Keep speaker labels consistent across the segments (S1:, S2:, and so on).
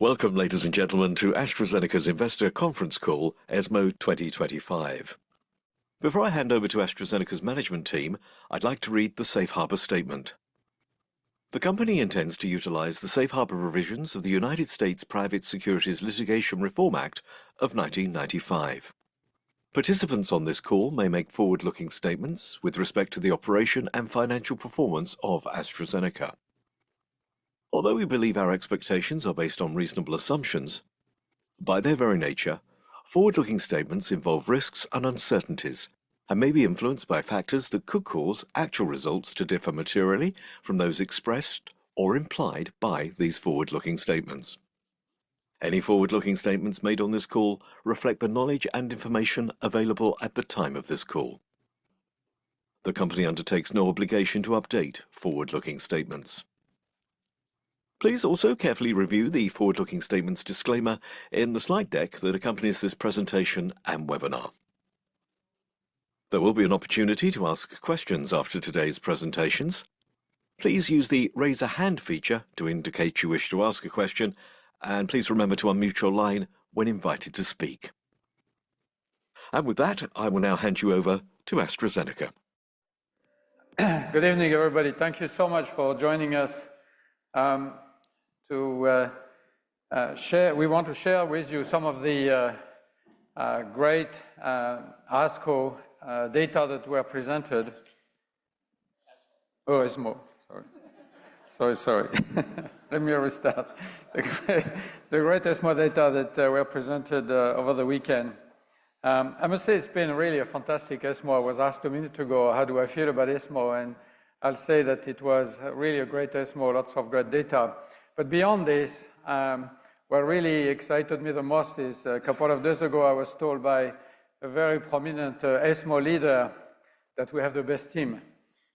S1: Welcome, ladies and gentlemen, to AstraZeneca's Investor Conference Call, ESMO 2025. Before I hand over to AstraZeneca's management team, I'd like to read the Safe Harbor Statement. The company intends to utilize the Safe Harbor revisions of the United States Private Securities Litigation Reform Act of 1995. Participants on this call may make forward-looking statements with respect to the operation and financial performance of AstraZeneca. Although we believe our expectations are based on reasonable assumptions, by their very nature, forward-looking statements involve risks and uncertainties and may be influenced by factors that could cause actual results to differ materially from those expressed or implied by these forward-looking statements. Any forward-looking statements made on this call reflect the knowledge and information available at the time of this call. The company undertakes no obligation to update forward-looking statements. Please also carefully review the forward-looking statements disclaimer in the slide deck that accompanies this presentation and webinar. There will be an opportunity to ask questions after today's presentations. Please use the raise-a-hand feature to indicate you wish to ask a question, and please remember to unmute your line when invited to speak. And with that, I will now hand you over to AstraZeneca.
S2: Good evening, everybody. Thank you so much for joining us to share. We want to share with you some of the great ASCO data that were presented. ESMO, sorry. The great ESMO data that were presented over the weekend. I must say it's been really a fantastic ESMO. I was asked a minute ago, how do I feel about ESMO? And I'll say that it was really a great ESMO, lots of great data. But beyond this, what really excited me the most is a couple of days ago, I was told by a very prominent ESMO leader that we have the best team.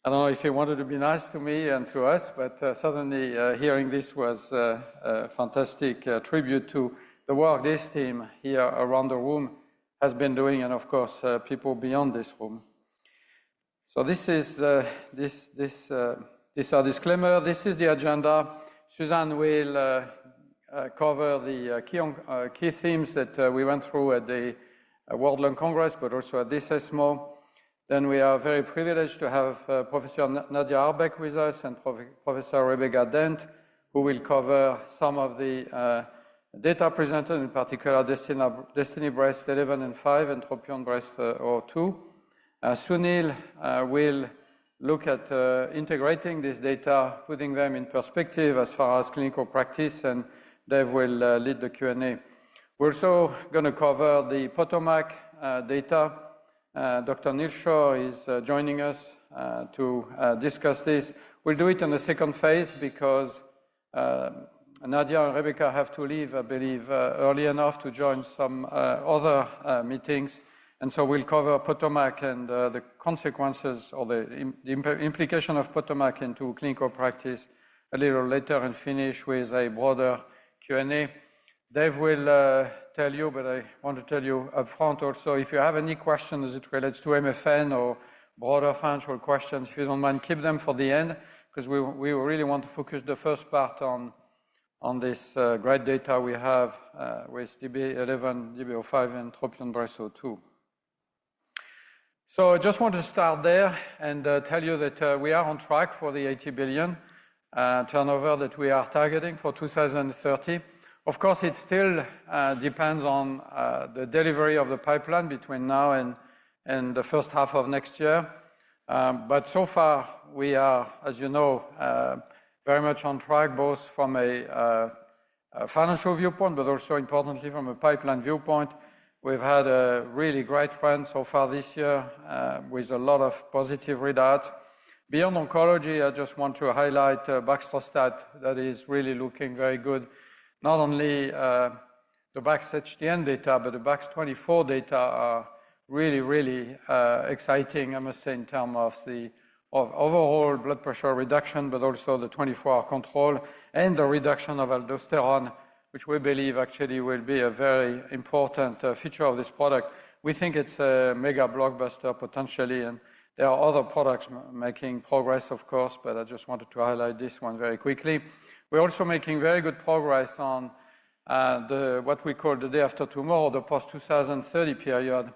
S2: I don't know if he wanted to be nice to me and to us, but suddenly hearing this was a fantastic tribute to the work this team here around the room has been doing, and of course, people beyond this room. So this is our disclaimer. This is the agenda. Susan will cover the key themes that we went through at the World Lung Congress, but also at this ESMO, then we are very privileged to have Professor Nadia Harbeck with us and Professor Rebecca Dent, who will cover some of the data presented, in particular DESTINY-Breast11 and 5 and TROPiON-Breast O2. Sunil will look at integrating this data, putting them in perspective as far as clinical practice, and Dave will lead the Q&A. We're also going to cover the POTOMAC data. Dr. Neal Shore is joining us to discuss this. We'll do it in the second phase because Nadia and Rebecca have to leave, I believe, early enough to join some other meetings, and so we'll cover POTOMAC and the consequences or the implication of POTOMAC into clinical practice a little later and finish with a broader Q&A. Dave will tell you, but I want to tell you upfront also, if you have any questions as it relates to MFN or broader financial questions, if you don't mind, keep them for the end because we really want to focus the first part on this great data we have with DB11, DB05, and TROPION-Breast02 so I just want to start there and tell you that we are on track for the $80 billion turnover that we are targeting for 2030. Of course, it still depends on the delivery of the pipeline between now and the first half of next year, but so far, we are, as you know, very much on track, both from a financial viewpoint, but also importantly from a pipeline viewpoint. We've had a really great run so far this year with a lot of positive readouts. Beyond oncology, I just want to highlight Baxdrostat that is really looking very good. Not only the BaxHTN data, but the Bax24 data are really, really exciting, I must say, in terms of the overall blood pressure reduction, but also the 24-hour control and the reduction of aldosterone, which we believe actually will be a very important feature of this product. We think it's a mega blockbuster potentially, and there are other products making progress, of course, but I just wanted to highlight this one very quickly. We're also making very good progress on what we call the day after tomorrow, the post-2030 period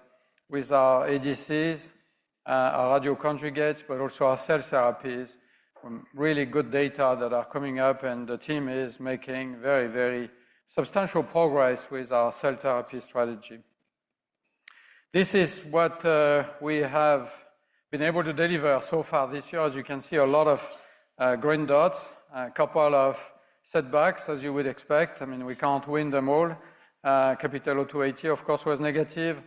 S2: with our ADCs, our radioconjugates, but also our cell therapies from really good data that are coming up, and the team is making very, very substantial progress with our cell therapy strategy. This is what we have been able to deliver so far this year. As you can see, a lot of green dots, a couple of setbacks, as you would expect. I mean, we can't win them all. CAPItello-280, of course, was negative.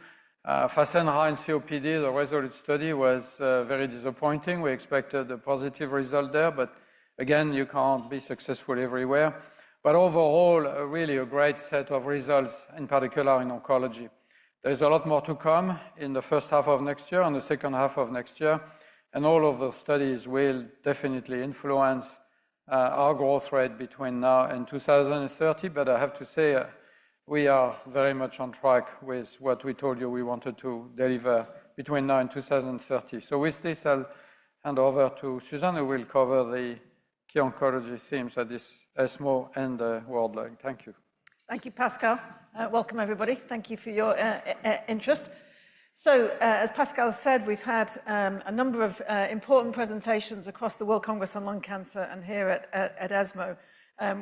S2: Fasenra and COPD, the resolute study was very disappointing. We expected a positive result there, but again, you can't be successful everywhere. But overall, really a great set of results, in particular in oncology. There's a lot more to come in the first half of next year and the second half of next year. And all of those studies will definitely influence our growth rate between now and 2030. But I have to say we are very much on track with what we told you we wanted to deliver between now and 2030. So with this, I'll hand over to Susan, who will cover the key oncology themes at this ESMO and World Lung. Thank you.
S3: Thank you, Pascal. Welcome, everybody. Thank you for your interest. So as Pascal said, we've had a number of important presentations across the World Congress on Lung Cancer and here at ESMO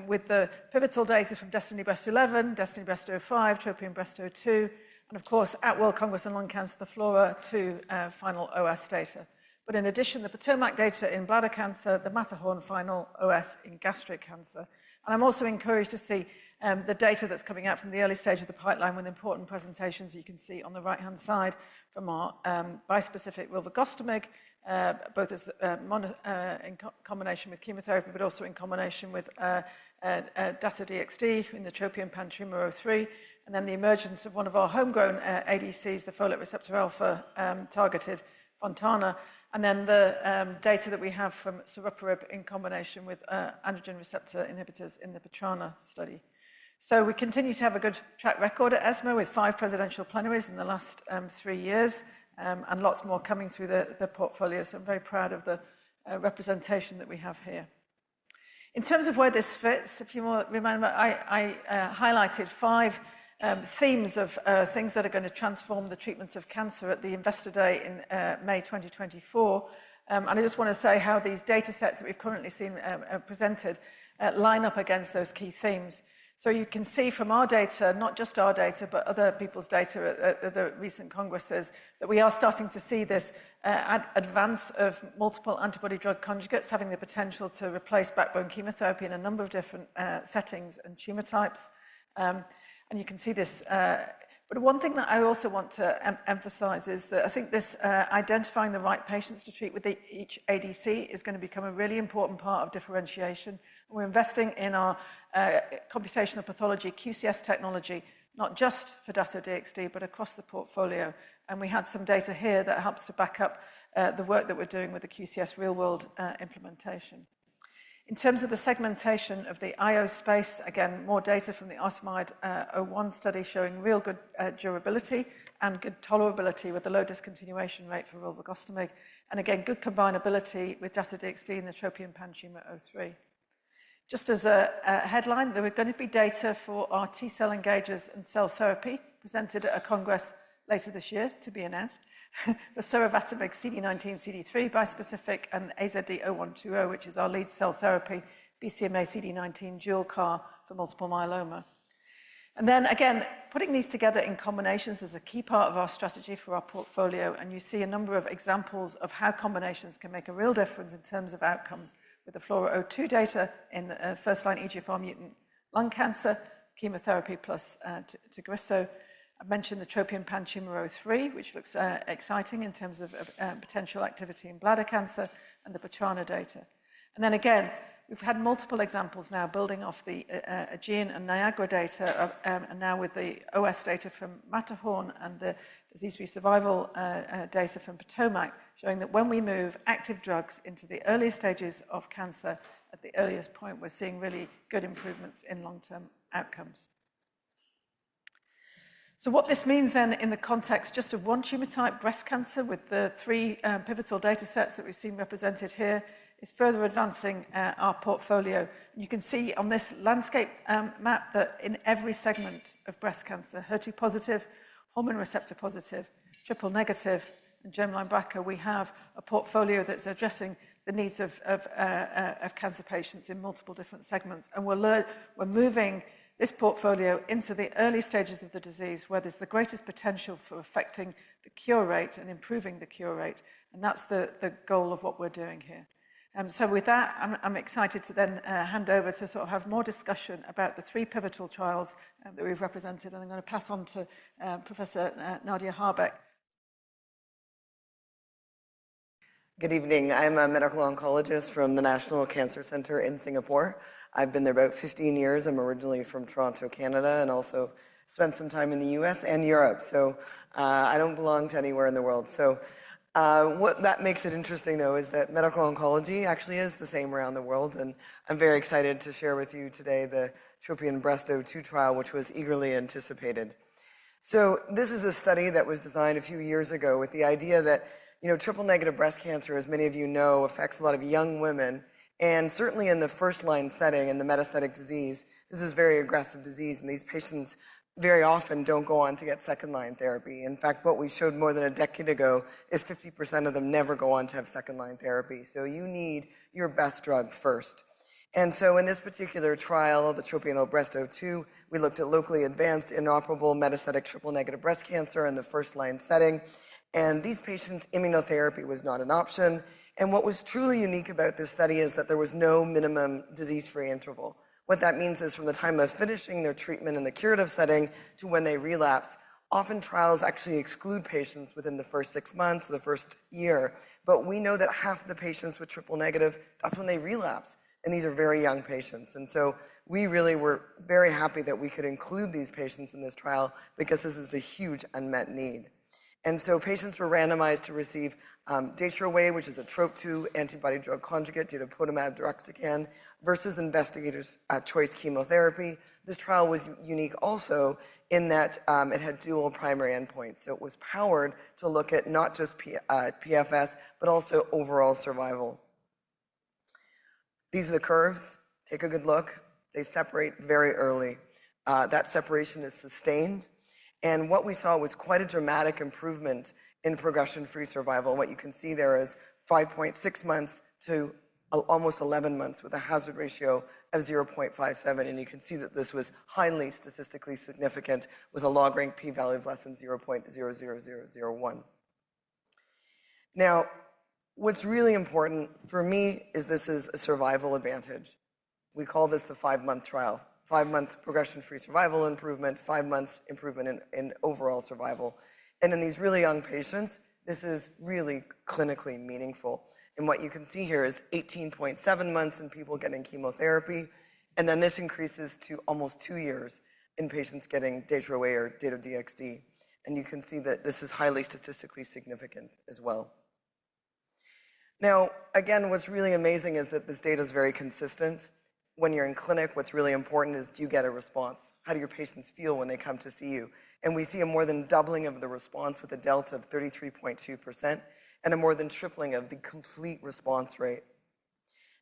S3: with the pivotal data from DESTINY-Breast11, DESTINY-Breast05, TROPION-Breast02, and of course, at World Congress on Lung Cancer, the FLAURA2 final OS data. But in addition, the POTOMAC data in bladder cancer, the MATTERHORN final OS in gastric cancer. And I'm also encouraged to see the data that's coming out from the early stage of the pipeline with important presentations you can see on the right-hand side from our bispecific volrustomig, both in combination with chemotherapy, but also in combination with Dato-DXd in the TROPION-PanTumor03, and then the emergence of one of our homegrown ADCs, the folate receptor alpha-targeted Fontana, and then the data that we have from sariparib in combination with androgen receptor inhibitors in the Patrana study. So we continue to have a good track record at ESMO with five presidential plenaries in the last three years and lots more coming through the portfolio. So I'm very proud of the representation that we have here. In terms of where this fits, if you remember, I highlighted five themes of things that are going to transform the treatment of cancer at the Investor Day in May 2024. And I just want to say how these data sets that we've currently seen presented line up against those key themes. So you can see from our data, not just our data, but other people's data at the recent congresses, that we are starting to see this advance of multiple antibody drug conjugates having the potential to replace backbone chemotherapy in a number of different settings and tumor types. And you can see this. But one thing that I also want to emphasize is that I think this identifying the right patients to treat with each ADC is going to become a really important part of differentiation. We're investing in our computational pathology QCS technology, not just for Dato-DXd, but across the portfolio. And we had some data here that helps to back up the work that we're doing with the QCS real-world implementation. In terms of the segmentation of the IO space, again, more data from the ARTEMIDE-01 study showing real good durability and good tolerability with a low discontinuation rate for volrustomig. And again, good combinability with Dato-DXd and the TROPION-PanTumor03. Just as a headline, there were going to be data for our T-cell engagers and cell therapy presented at a congress later this year to be announced. The Cinobacibeg CD19, CD3, bispecific, and AZD0120, which is our lead cell therapy, BCMA CD19, dual CAR for multiple myeloma. And then again, putting these together in combinations is a key part of our strategy for our portfolio. And you see a number of examples of how combinations can make a real difference in terms of outcomes with the FLAURA2 data in the first-line EGFR mutant lung cancer chemotherapy plus Tagrisso. I mentioned the TROPION-PanTumor03, which looks exciting in terms of potential activity in bladder cancer and the Patrana data. And then again, we've had multiple examples now building off the AEGEAN and NIAGARA data, and now with the OS data from MATTERHORN and the disease-free survival data from POTOMAC showing that when we move active drugs into the early stages of cancer, at the earliest point, we're seeing really good improvements in long-term outcomes. So what this means then in the context just of one tumor type, breast cancer with the three pivotal data sets that we've seen represented here is further advancing our portfolio. You can see on this landscape map that in every segment of breast cancer, HER2-positive, hormone receptor positive, triple negative, and germline BRCA, we have a portfolio that's addressing the needs of cancer patients in multiple different segments. And we're moving this portfolio into the early stages of the disease where there's the greatest potential for affecting the cure rate and improving the cure rate. And that's the goal of what we're doing here. So with that, I'm excited to then hand over to sort of have more discussion about the three pivotal trials that we've represented. And I'm going to pass on to Professor Nadia Harbeck.
S4: Good evening. I'm a medical oncologist from the National Cancer Center in Singapore. I've been there about 15 years. I'm originally from Toronto, Canada, and also spent some time in the U.S. and Europe, so I don't belong to anywhere in the world, so what that makes it interesting, though, is that medical oncology actually is the same around the world, and I'm very excited to share with you today the TROPION-Breast02 trial, which was eagerly anticipated, so this is a study that was designed a few years ago with the idea that triple negative breast cancer, as many of you know, affects a lot of young women, and certainly in the first-line setting and the metastatic disease, this is a very aggressive disease, and these patients very often don't go on to get second-line therapy. In fact, what we showed more than a decade ago is 50% of them never go on to have second-line therapy. So you need your best drug first. And so in this particular trial, the TROPION-Breast02, we looked at locally advanced inoperable metastatic triple negative breast cancer in the first-line setting. And these patients, immunotherapy was not an option. And what was truly unique about this study is that there was no minimum disease-free interval. What that means is from the time of finishing their treatment in the curative setting to when they relapse, often trials actually exclude patients within the first six months or the first year. But we know that half of the patients with triple negative, that's when they relapse. And these are very young patients. And so we really were very happy that we could include these patients in this trial because this is a huge unmet need. And so patients were randomized to receive Dato-DXd, which is a TROP2 antibody-drug conjugate, Datopotamab deruxtecan, versus investigators' choice chemotherapy. This trial was unique also in that it had dual primary endpoints. So it was powered to look at not just PFS, but also overall survival. These are the curves. Take a good look. They separate very early. That separation is sustained. And what we saw was quite a dramatic improvement in progression-free survival. What you can see there is 5.6 months to almost 11 months with a hazard ratio of 0.57. And you can see that this was highly statistically significant with a log-rank P value of less than 0.00001. Now, what's really important for me is this is a survival advantage. We call this the five-month trial, five-month progression-free survival improvement, five-month improvement in overall survival. And in these really young patients, this is really clinically meaningful. And what you can see here is 18.7 months in people getting chemotherapy. And then this increases to almost two years in patients getting Datroway or Dato-DXd. And you can see that this is highly statistically significant as well. Now, again, what's really amazing is that this data is very consistent. When you're in clinic, what's really important is do you get a response? How do your patients feel when they come to see you? And we see a more than doubling of the response with a delta of 33.2% and a more than tripling of the complete response rate.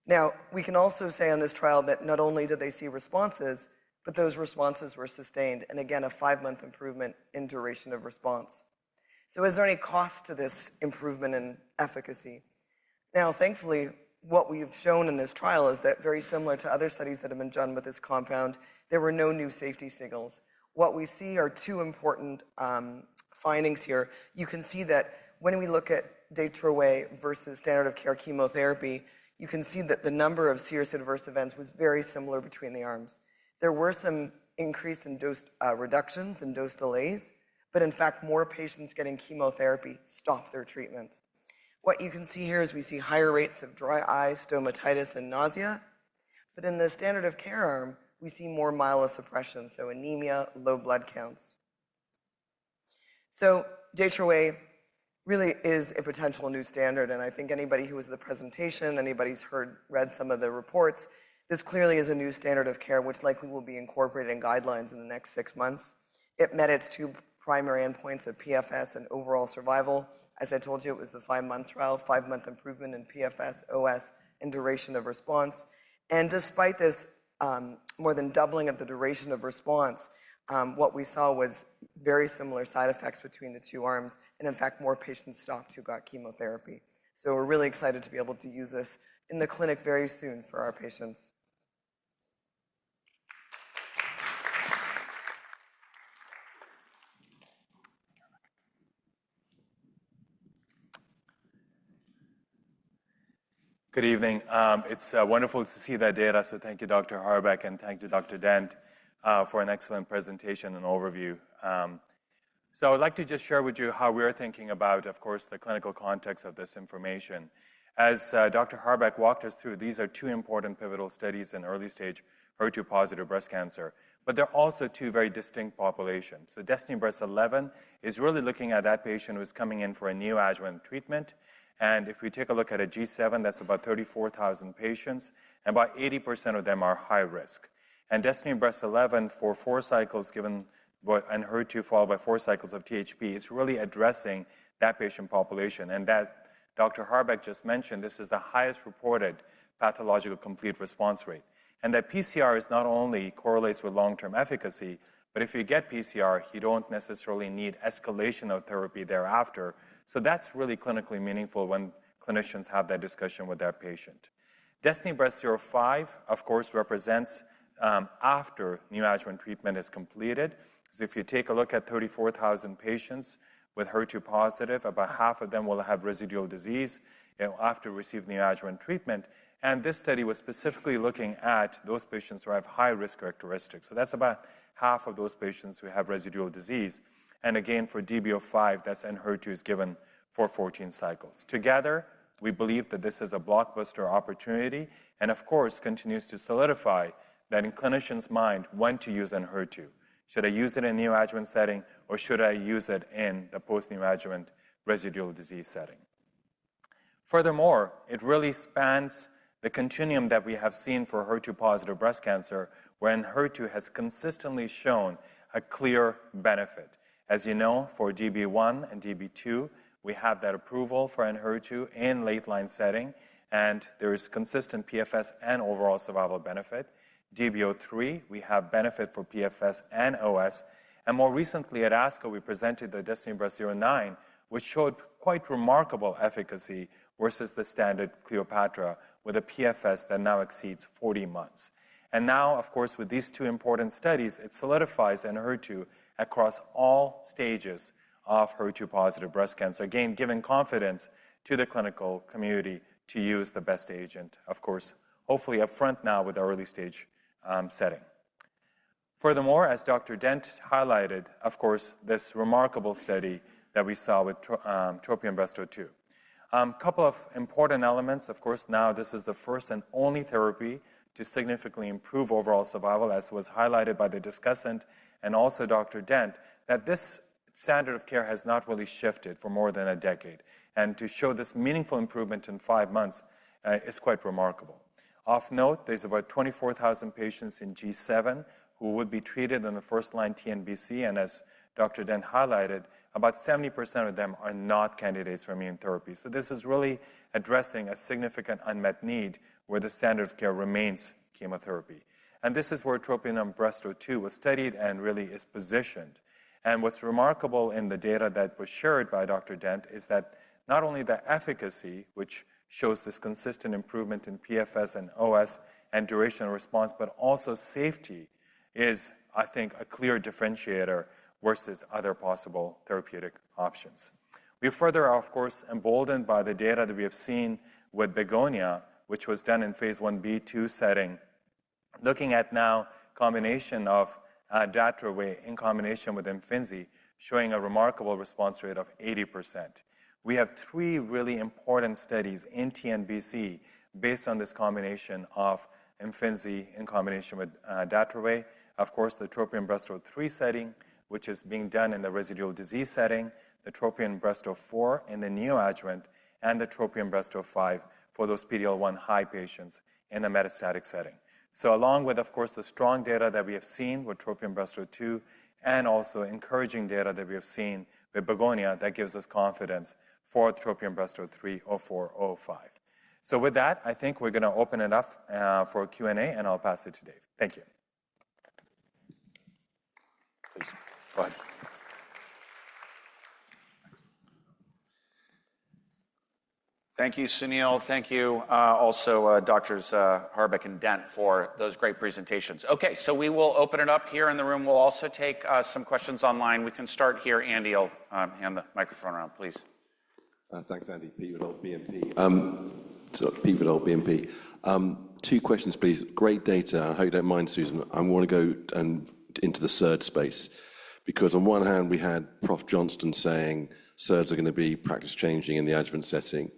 S4: Now, we can also say on this trial that not only did they see responses, but those responses were sustained. And again, a five-month improvement in duration of response. So is there any cost to this improvement in efficacy? Now, thankfully, what we've shown in this trial is that very similar to other studies that have been done with this compound, there were no new safety signals. What we see are two important findings here. You can see that when we look at Datroway versus standard of care chemotherapy, you can see that the number of serious adverse events was very similar between the arms. There were some increased dose reductions and dose delays, but in fact, more patients getting chemotherapy stopped their treatment. What you can see here is we see higher rates of dry eye, stomatitis, and nausea. But in the standard of care arm, we see more myelosuppression, so anemia, low blood counts, so Datroway really is a potential new standard, and I think anybody who was at the presentation, anybody who's read some of the reports, this clearly is a new standard of care which likely will be incorporated in guidelines in the next six months. It met its two primary endpoints of PFS and overall survival. As I told you, it was the five-month trial, five-month improvement in PFS, OS, and duration of response, and despite this more than doubling of the duration of response, what we saw was very similar side effects between the two arms, and in fact, more patients stopped who got chemotherapy, so we're really excited to be able to use this in the clinic very soon for our patients.
S5: Good evening. It's wonderful to see that data, so thank you, Dr. Harbeck, and thank you, Dr. Dent, for an excellent presentation and overview, so I'd like to just share with you how we're thinking about, of course, the clinical context of this information. As Dr. Harbeck walked us through, these are two important pivotal studies in early-stage HER2-positive breast cancer, but they're also two very distinct populations, so DESTINY-Breast11 is really looking at that patient who is coming in for a neoadjuvant treatment, and if we take a look at a G7, that's about 34,000 patients, and about 80% of them are high risk, and DESTINY-Breast11, for four cycles given HER2 followed by four cycles of THP, is really addressing that patient population, and that Dr. Harbeck just mentioned, this is the highest reported pathological complete response rate. And that PCR not only correlates with long-term efficacy, but if you get PCR, you don't necessarily need escalation of therapy thereafter. So that's really clinically meaningful when clinicians have that discussion with their patient. DESTINY-Breast05, of course, represents after neoadjuvant treatment is completed. So if you take a look at 34,000 patients with HER2-positive, about half of them will have residual disease after receiving neoadjuvant treatment. And this study was specifically looking at those patients who have high-risk characteristics. So that's about half of those patients who have residual disease. And again, for DB05, that's Enhertu is given for 14 cycles. Together, we believe that this is a blockbuster opportunity and, of course, continues to solidify that in clinicians' mind, when to use Enhertu, should I use it in a neoadjuvant setting, or should I use it in the post-neoadjuvant residual disease setting? Furthermore, it really spans the continuum that we have seen for HER2-positive breast cancer, where Enhertu has consistently shown a clear benefit. As you know, for DB1 and DB2, we have that approval for Enhertu in late-line setting, and there is consistent PFS and overall survival benefit. DB03, we have benefit for PFS and OS. And more recently, at ASCO, we presented the DESTINY-Breast09, which showed quite remarkable efficacy versus the standard CLEOPATRA with a PFS that now exceeds 40 months. And now, of course, with these two important studies, it solidifies Enhertu across all stages of HER2-positive breast cancer, again, giving confidence to the clinical community to use the best agent, of course, hopefully upfront now with the early-stage setting. Furthermore, as Dr. Dent highlighted, of course, this remarkable study that we saw with TROPION-Breast02. A couple of important elements, of course. Now this is the first and only therapy to significantly improve overall survival, as was highlighted by the discussant and also Dr. Dent, that this standard of care has not really shifted for more than a decade, and to show this meaningful improvement in five months is quite remarkable. Of note, there's about 24,000 patients in G7 who would be treated in the first-line TNBC, and as Dr. Dent highlighted, about 70% of them are not candidates for immune therapy, so this is really addressing a significant unmet need where the standard of care remains chemotherapy, and this is where TROPION-Breast O2 was studied and really is positioned, and what's remarkable in the data that was shared by Dr. Dent is that not only the efficacy, which shows this consistent improvement in PFS and OS and duration of response, but also safety is, I think, a clear differentiator versus other possible therapeutic options. We further are, of course, emboldened by the data that we have seen with BEGONIA, which was done in phase Ib/II setting, looking at now a combination of Datroway in combination with Imfinzi, showing a remarkable response rate of 80%. We have three really important studies in TNBC based on this combination of Imfinzi in combination with Datroway, of course, the TROPION-Breast03 setting, which is being done in the residual disease setting, the TROPION-Breast04 in the neoadjuvant, and the TROPION-Breast05 for those PD-L1 high patients in the metastatic setting. So along with, of course, the strong data that we have seen with TROPION-Breast02 and also encouraging data that we have seen with BEGONIA that gives us confidence for TROPION-Breast03 or four or five. So with that, I think we're going to open it up for Q&A, and I'll pass it to Dave. Thank you. Please go ahead.
S6: Thank you, Sunil. Thank you also, Doctors Harbeck and Dent, for those great presentations. Okay, so we will open it up here in the room. We'll also take some questions online. We can start here. Andy, I'll hand the microphone around, please. Thanks, Andy. Two questions, please. Great data. I hope you don't mind, Susan. I want to go into the SERD space because on one hand, we had Prof. Johnston saying SERDs are going to be practice-changing in the adjuvant setting.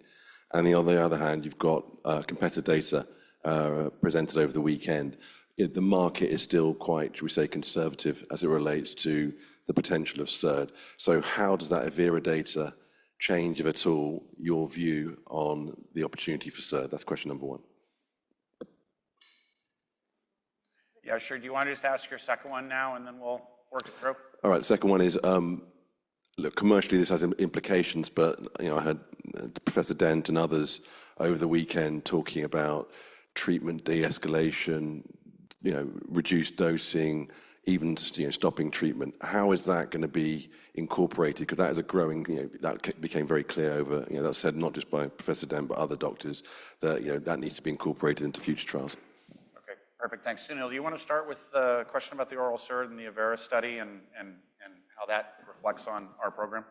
S6: And on the other hand, you've got competitor data presented over the weekend. The market is still quite, shall we say, conservative as it relates to the potential of SERD. So how does that AMEERA data change, if at all, your view on the opportunity for SERD? That's question number one. Yeah, sure. Do you want to just ask your second one now, and then we'll work through? All right. The second one is, look, commercially, this has implications, but I had Professor Dent and others over the weekend talking about treatment de-escalation, reduced dosing, even stopping treatment. How is that going to be incorporated? Because that is a growing that became very clear over, that said, not just by Professor Dent, but other doctors, that that needs to be incorporated into future trials. Okay, perfect. Thanks. Sunil, do you want to start with the question about the oral SERD and the AMEERA study and how that reflects on our program?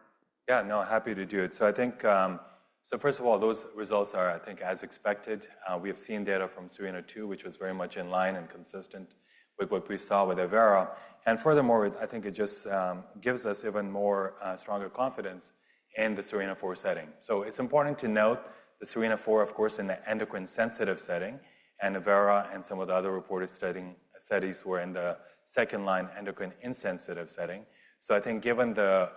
S5: Yeah, no, happy to do it. So I think, so first of all, those results are, I think, as expected. We have seen data from SERENA-2, which was very much in line and consistent with what we saw with Avera. And furthermore, I think it just gives us even more stronger confidence in the SERENA-4 setting. So it's important to note the SERENA-4, of course, in the endocrine-sensitive setting, and Avera and some of the other reported studies were in the second-line endocrine-insensitive setting. So I think given the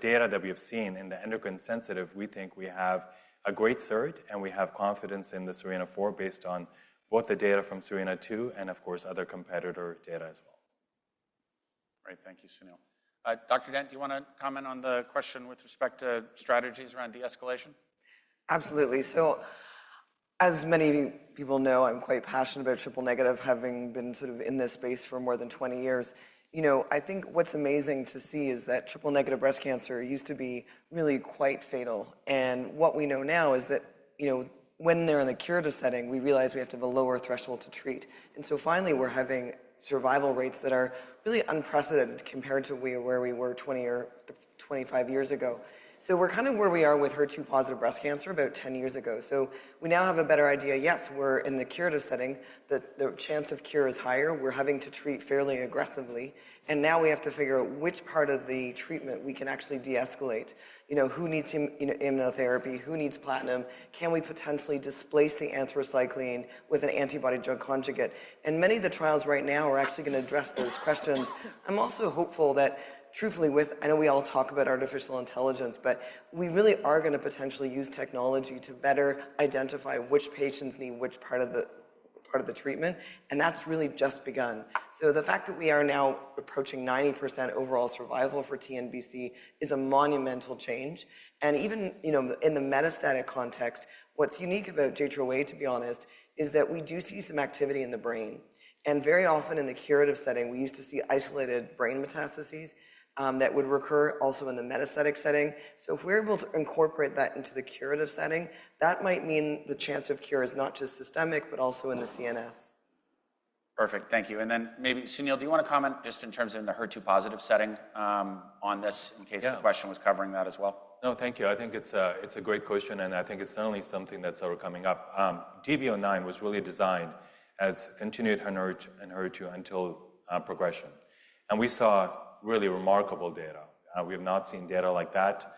S5: data that we have seen in the endocrine-sensitive, we think we have a great SERD, and we have confidence in the SERENA-4 based on both the data from SERENA-2 and, of course, other competitor data as well.
S6: All right, thank you, Sunil. Dr. Dent, do you want to comment on the question with respect to strategies around de-escalation?
S4: Absolutely, so as many people know, I'm quite passionate about triple-negative, having been sort of in this space for more than 20 years. I think what's amazing to see is that triple-negative breast cancer used to be really quite fatal, and what we know now is that when they're in the curative setting, we realize we have to have a lower threshold to treat, and so finally, we're having survival rates that are really unprecedented compared to where we were 20 or 25 years ago, so we're kind of where we are with HER2-positive breast cancer about 10 years ago, so we now have a better idea. Yes, we're in the curative setting. The chance of cure is higher. We're having to treat fairly aggressively, and now we have to figure out which part of the treatment we can actually de-escalate. Who needs immunotherapy? Who needs platinum? Can we potentially displace the anthracycline with an antibody-drug conjugate? And many of the trials right now are actually going to address those questions. I'm also hopeful that truthfully, I know we all talk about artificial intelligence, but we really are going to potentially use technology to better identify which patients need which part of the treatment. And that's really just begun. So the fact that we are now approaching 90% overall survival for TNBC is a monumental change. And even in the metastatic context, what's unique about Datroway, to be honest, is that we do see some activity in the brain. And very often in the curative setting, we used to see isolated brain metastases that would recur also in the metastatic setting. So if we're able to incorporate that into the curative setting, that might mean the chance of cure is not just systemic, but also in the CNS.
S6: Perfect. Thank you. And then maybe, Sunil, do you want to comment just in terms of the HER2-positive setting on this in case the question was covering that as well?
S5: No, thank you. I think it's a great question, and I think it's certainly something that's ever coming up. DB09 was really designed as continued HER2 until progression, and we saw really remarkable data. We have not seen data like that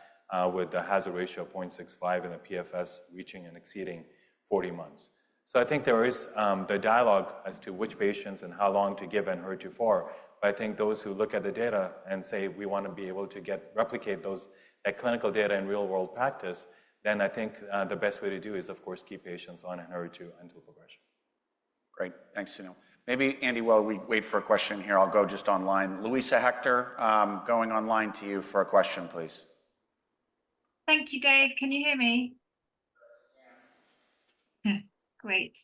S5: with a hazard ratio of 0.65 and a PFS reaching and exceeding 40 months, so I think there is the dialogue as to which patients and how long to give HER2 for. But I think those who look at the data and say, "We want to be able to replicate that clinical data in real-world practice," then I think the best way to do is, of course, keep patients on HER2 until progression.
S6: Great. Thanks, Sunil. Maybe, Andy, while we wait for a question here, I'll go just online. Luisa Hector, going online to you for a question, please.
S7: Thank you, Dave. Can you hear me?
S3: Yeah.
S7: Great.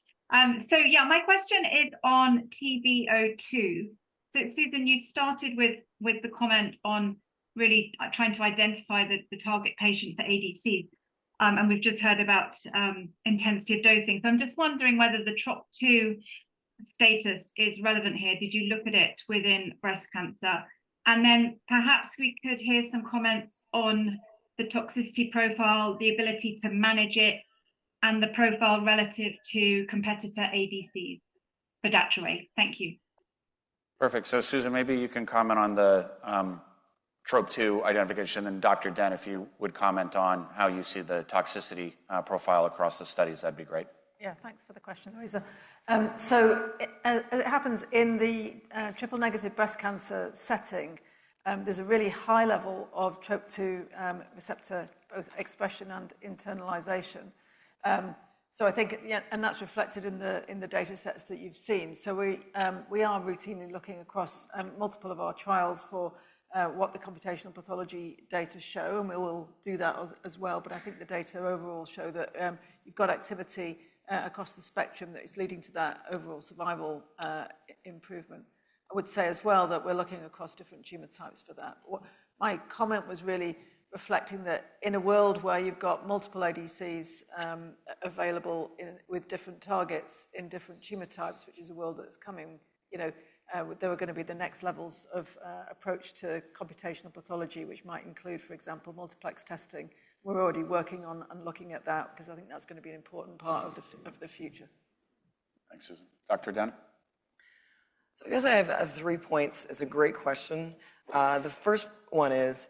S7: So yeah, my question is on TB02. So Susan, you started with the comment on really trying to identify the target patient for ADC, and we've just heard about intensity of dosing. So I'm just wondering whether the TROP2 status is relevant here. Did you look at it within breast cancer? And then perhaps we could hear some comments on the toxicity profile, the ability to manage it, and the profile relative to competitor ADCs for Datroway. Thank you.
S6: Perfect. So Susan, maybe you can comment on the TROP2 identification. And Dr. Dent, if you would comment on how you see the toxicity profile across the studies, that'd be great.
S3: Yeah, thanks for the question, Luisa. So as it happens in the triple negative breast cancer setting, there's a really high level of TROP2 receptor, both expression and internalization. So I think, and that's reflected in the data sets that you've seen. So we are routinely looking across multiple of our trials for what the computational pathology data show, and we will do that as well. But I think the data overall show that you've got activity across the spectrum that is leading to that overall survival improvement. I would say as well that we're looking across different tumor types for that. My comment was really reflecting that in a world where you've got multiple ADCs available with different targets in different tumor types, which is a world that's coming, there are going to be the next levels of approach to computational pathology, which might include, for example, multiplex testing. We're already working on looking at that because I think that's going to be an important part of the future.
S6: Thanks, Susan. Dr. Dent.
S4: So I guess I have three points. It's a great question. The first one is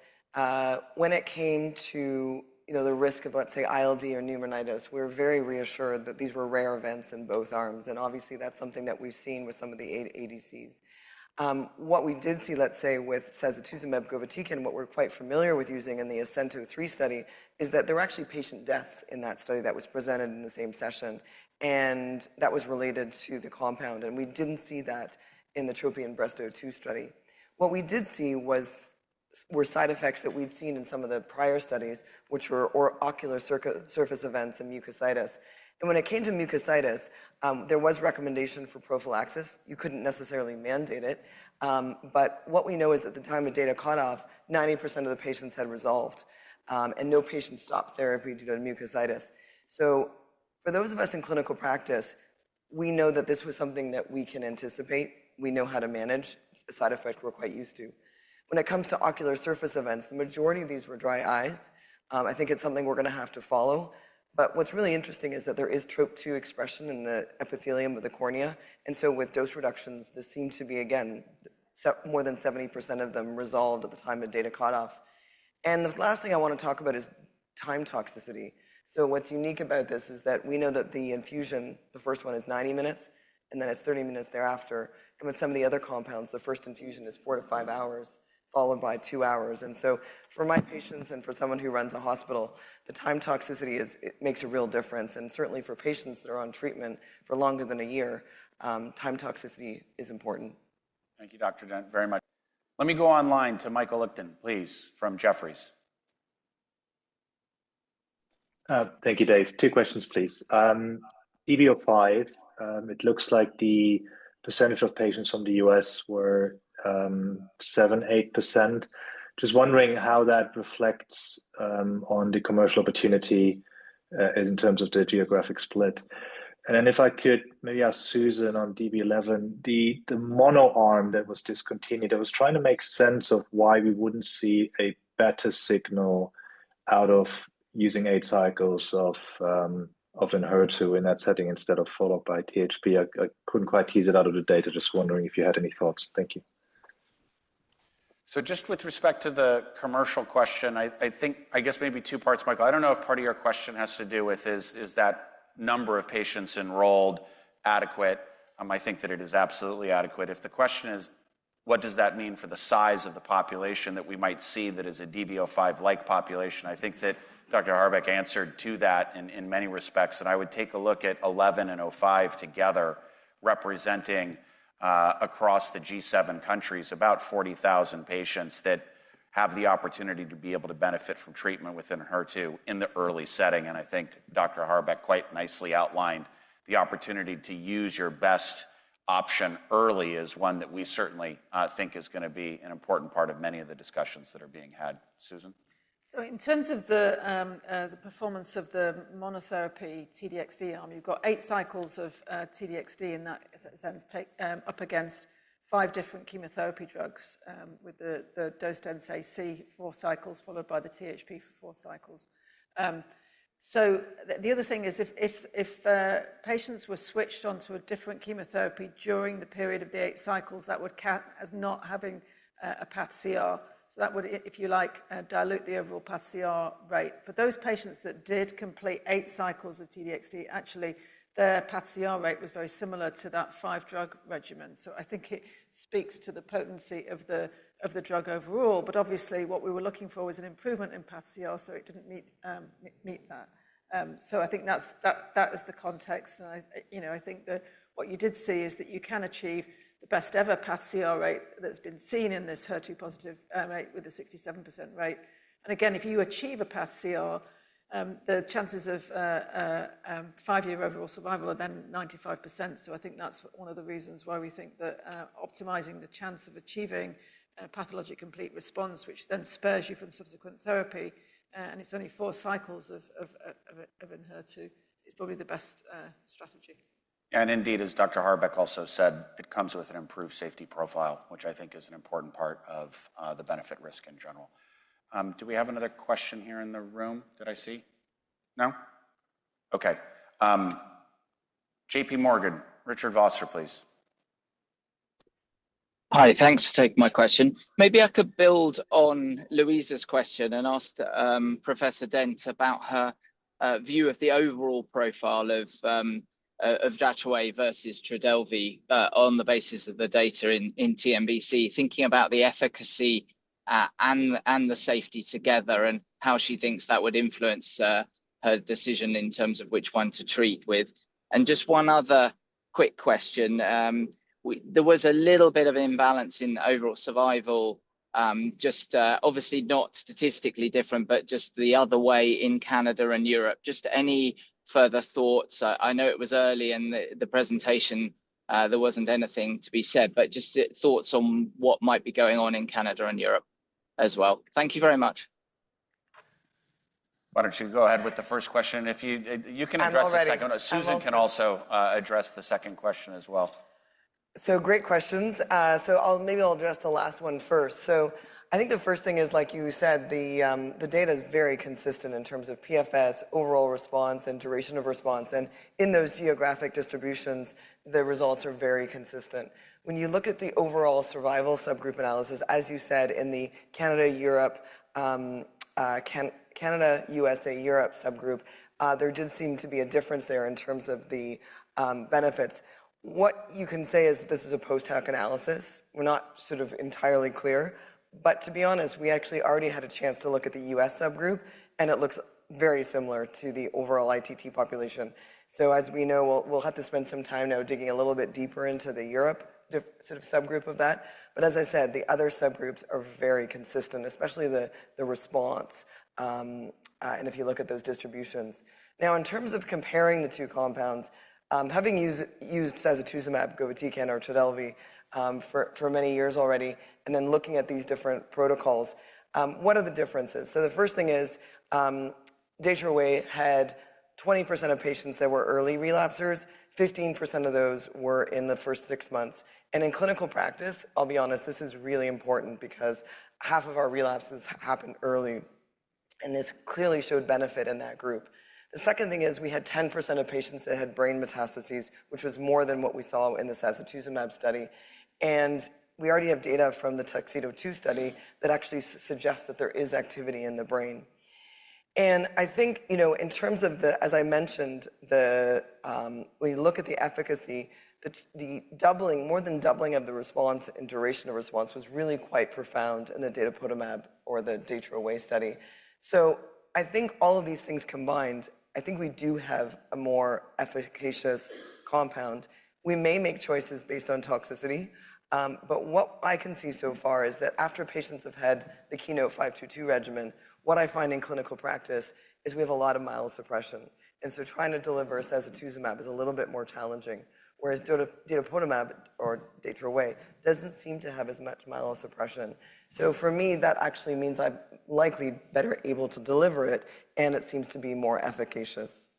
S4: when it came to the risk of, let's say, ILD or pneumonitis, we were very reassured that these were rare events in both arms. And obviously, that's something that we've seen with some of the ADCs. What we did see, let's say, with sacituzumab govitecan, what we're quite familiar with using in the ASCENT-03 study, is that there were actually patient deaths in that study that was presented in the same session, and that was related to the compound. And we didn't see that in the TROPION-Breast02 study. What we did see were side effects that we'd seen in some of the prior studies, which were ocular surface events and mucositis. And when it came to mucositis, there was recommendation for prophylaxis. You couldn't necessarily mandate it. But what we know is at the time of data cutoff, 90% of the patients had resolved, and no patients stopped therapy due to mucositis. So for those of us in clinical practice, we know that this was something that we can anticipate. We know how to manage a side effect we're quite used to. When it comes to ocular surface events, the majority of these were dry eyes. I think it's something we're going to have to follow. But what's really interesting is that there is TROP2 expression in the epithelium of the cornea. And so with dose reductions, this seems to be, again, more than 70% of them resolved at the time of data cutoff. And the last thing I want to talk about is time toxicity. So what's unique about this is that we know that the infusion, the first one is 90 minutes, and then it's 30 minutes thereafter. And with some of the other compounds, the first infusion is four to five hours, followed by two hours. And so for my patients and for someone who runs a hospital, the time toxicity makes a real difference. And certainly for patients that are on treatment for longer than a year, time toxicity is important.
S6: Thank you, Dr. Dent, very much. Let me go online to Michael Lipton, please, from Jefferies.
S8: Thank you, Dave. Two questions, please. DB05, it looks like the percentage of patients from the U.S. were 7%, 8%. Just wondering how that reflects on the commercial opportunity in terms of the geographic split. And then if I could maybe ask Susan on DB11, the mono arm that was discontinued, I was trying to make sense of why we wouldn't see a better signal out of using eight cycles of enhertu in that setting instead of followed by THP. I couldn't quite tease it out of the data. Just wondering if you had any thoughts. Thank you.
S6: So just with respect to the commercial question, I think, I guess maybe two parts, Michael. I don't know if part of your question has to do with, is that number of patients enrolled adequate. I think that it is absolutely adequate. If the question is, what does that mean for the size of the population that we might see that is a DB05-like population, I think that Dr. Harbeck answered to that in many respects. And I would take a look at 11 and 05 together representing across the G7 countries, about 40,000 patients that have the opportunity to be able to benefit from treatment within HER2 in the early setting. And I think Dr. Harbeck quite nicely outlined the opportunity to use your best option early is one that we certainly think is going to be an important part of many of the discussions that are being had. Susan.
S3: So in terms of the performance of the monotherapy T-DXd arm, you've got eight cycles of T-DXd in that sense up against five different chemotherapy drugs with the dose density four cycles followed by the THP for four cycles. So the other thing is if patients were switched onto a different chemotherapy during the period of the eight cycles, that would count as not having a PCR. So that would, if you like, dilute the overall PCR rate. For those patients that did complete eight cycles of T-DXd, actually, their PCR rate was very similar to that five-drug regimen. So I think it speaks to the potency of the drug overall. But obviously, what we were looking for was an improvement in PCR, so it didn't meet that. So I think that was the context. And I think what you did see is that you can achieve the best-ever PCR rate that's been seen in this HER2-positive rate with a 67% rate. And again, if you achieve a PCR, the chances of five-year overall survival are then 95%. So I think that's one of the reasons why we think that optimizing the chance of achieving a pathologic complete response, which then spares you from subsequent therapy, and it's only four cycles of enhertu, is probably the best strategy.
S6: Yeah, and indeed, as Dr. Harbeck also said, it comes with an improved safety profile, which I think is an important part of the benefit-risk in general. Do we have another question here in the room that I see? No? Okay. J.P. Morgan, Richard Vosser, please.
S9: Hi, thanks for taking my question. Maybe I could build on Luisa's question and ask Professor Dent about her view of the overall profile of Datroway versus Trodelvy on the basis of the data in TNBC, thinking about the efficacy and the safety together and how she thinks that would influence her decision in terms of which one to treat with, and just one other quick question. There was a little bit of an imbalance in overall survival, just obviously not statistically different, but just the other way in Canada and Europe. Just any further thoughts? I know it was early in the presentation, there wasn't anything to be said, but just thoughts on what might be going on in Canada and Europe as well. Thank you very much.
S6: Why don't you go ahead with the first question? You can address the second one. Susan can also address the second question as well.
S4: So, great questions. So maybe I'll address the last one first. So I think the first thing is, like you said, the data is very consistent in terms of PFS, overall response, and duration of response. And in those geographic distributions, the results are very consistent. When you look at the overall survival subgroup analysis, as you said, in the Canada-USA-Europe subgroup, there did seem to be a difference there in terms of the benefits. What you can say is that this is a post-hoc analysis. We're not sort of entirely clear. But to be honest, we actually already had a chance to look at the US subgroup, and it looks very similar to the overall ITT population. So as we know, we'll have to spend some time now digging a little bit deeper into the Europe sort of subgroup of that. But as I said, the other subgroups are very consistent, especially the response. And if you look at those distributions. Now, in terms of comparing the two compounds, having used sacituzumab govitecan or Trodelvy for many years already, and then looking at these different protocols, what are the differences? So the first thing is Datroway had 20% of patients that were early relapsers, 15% of those were in the first six months. And in clinical practice, I'll be honest, this is really important because half of our relapses happened early, and this clearly showed benefit in that group. The second thing is we had 10% of patients that had brain metastases, which was more than what we saw in the sacituzumab study. And we already have data from the Tuxedo-2 study that actually suggests that there is activity in the brain. And I think in terms of, as I mentioned, when you look at the efficacy, the doubling, more than doubling of the response and duration of response was really quite profound in the Datopotamab or the Datroway study. So I think all of these things combined, I think we do have a more efficacious compound. We may make choices based on toxicity. But what I can see so far is that after patients have had the KEYNOTE-522 regimen, what I find in clinical practice is we have a lot of myelosuppression. And so trying to deliver sacituzumab is a little bit more challenging, whereas Datopotamab or Datroway doesn't seem to have as much myelosuppression. So for me, that actually means I'm likely better able to deliver it, and it seems to be more efficacious.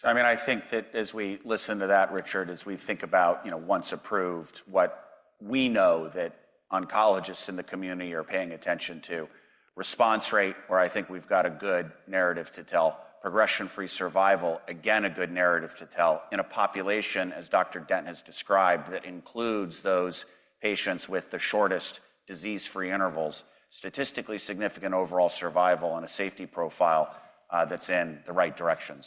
S6: So I mean, I think that as we listen to that, Richard, as we think about once approved, what we know that oncologists in the community are paying attention to, response rate, where I think we've got a good narrative to tell, progression-free survival, again, a good narrative to tell in a population, as Dr. Dent has described, that includes those patients with the shortest disease-free intervals, statistically significant overall survival and a safety profile that's in the right direction.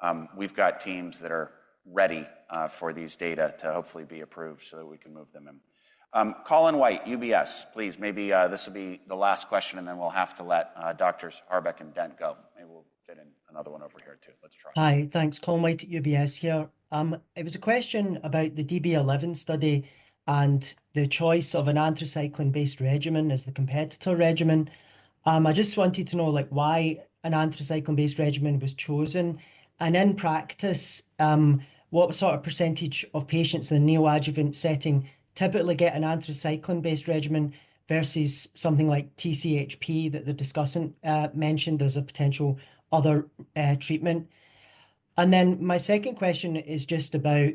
S6: So we've got teams that are ready for these data to hopefully be approved so that we can move them in. Collin White, UBS, please. Maybe this will be the last question, and then we'll have to let Doctors Harbeck and Dent go. Maybe we'll fit in another one over here too. Let's try.
S10: Hi, thanks. Colin White at UBS here. It was a question about the DB11 study and the choice of an anthracycline-based regimen as the competitor regimen. I just wanted to know why an anthracycline-based regimen was chosen, and in practice, what sort of percentage of patients in a neoadjuvant setting typically get an anthracycline-based regimen versus something like TCHP that the discussant mentioned as a potential other treatment, and then my second question is just about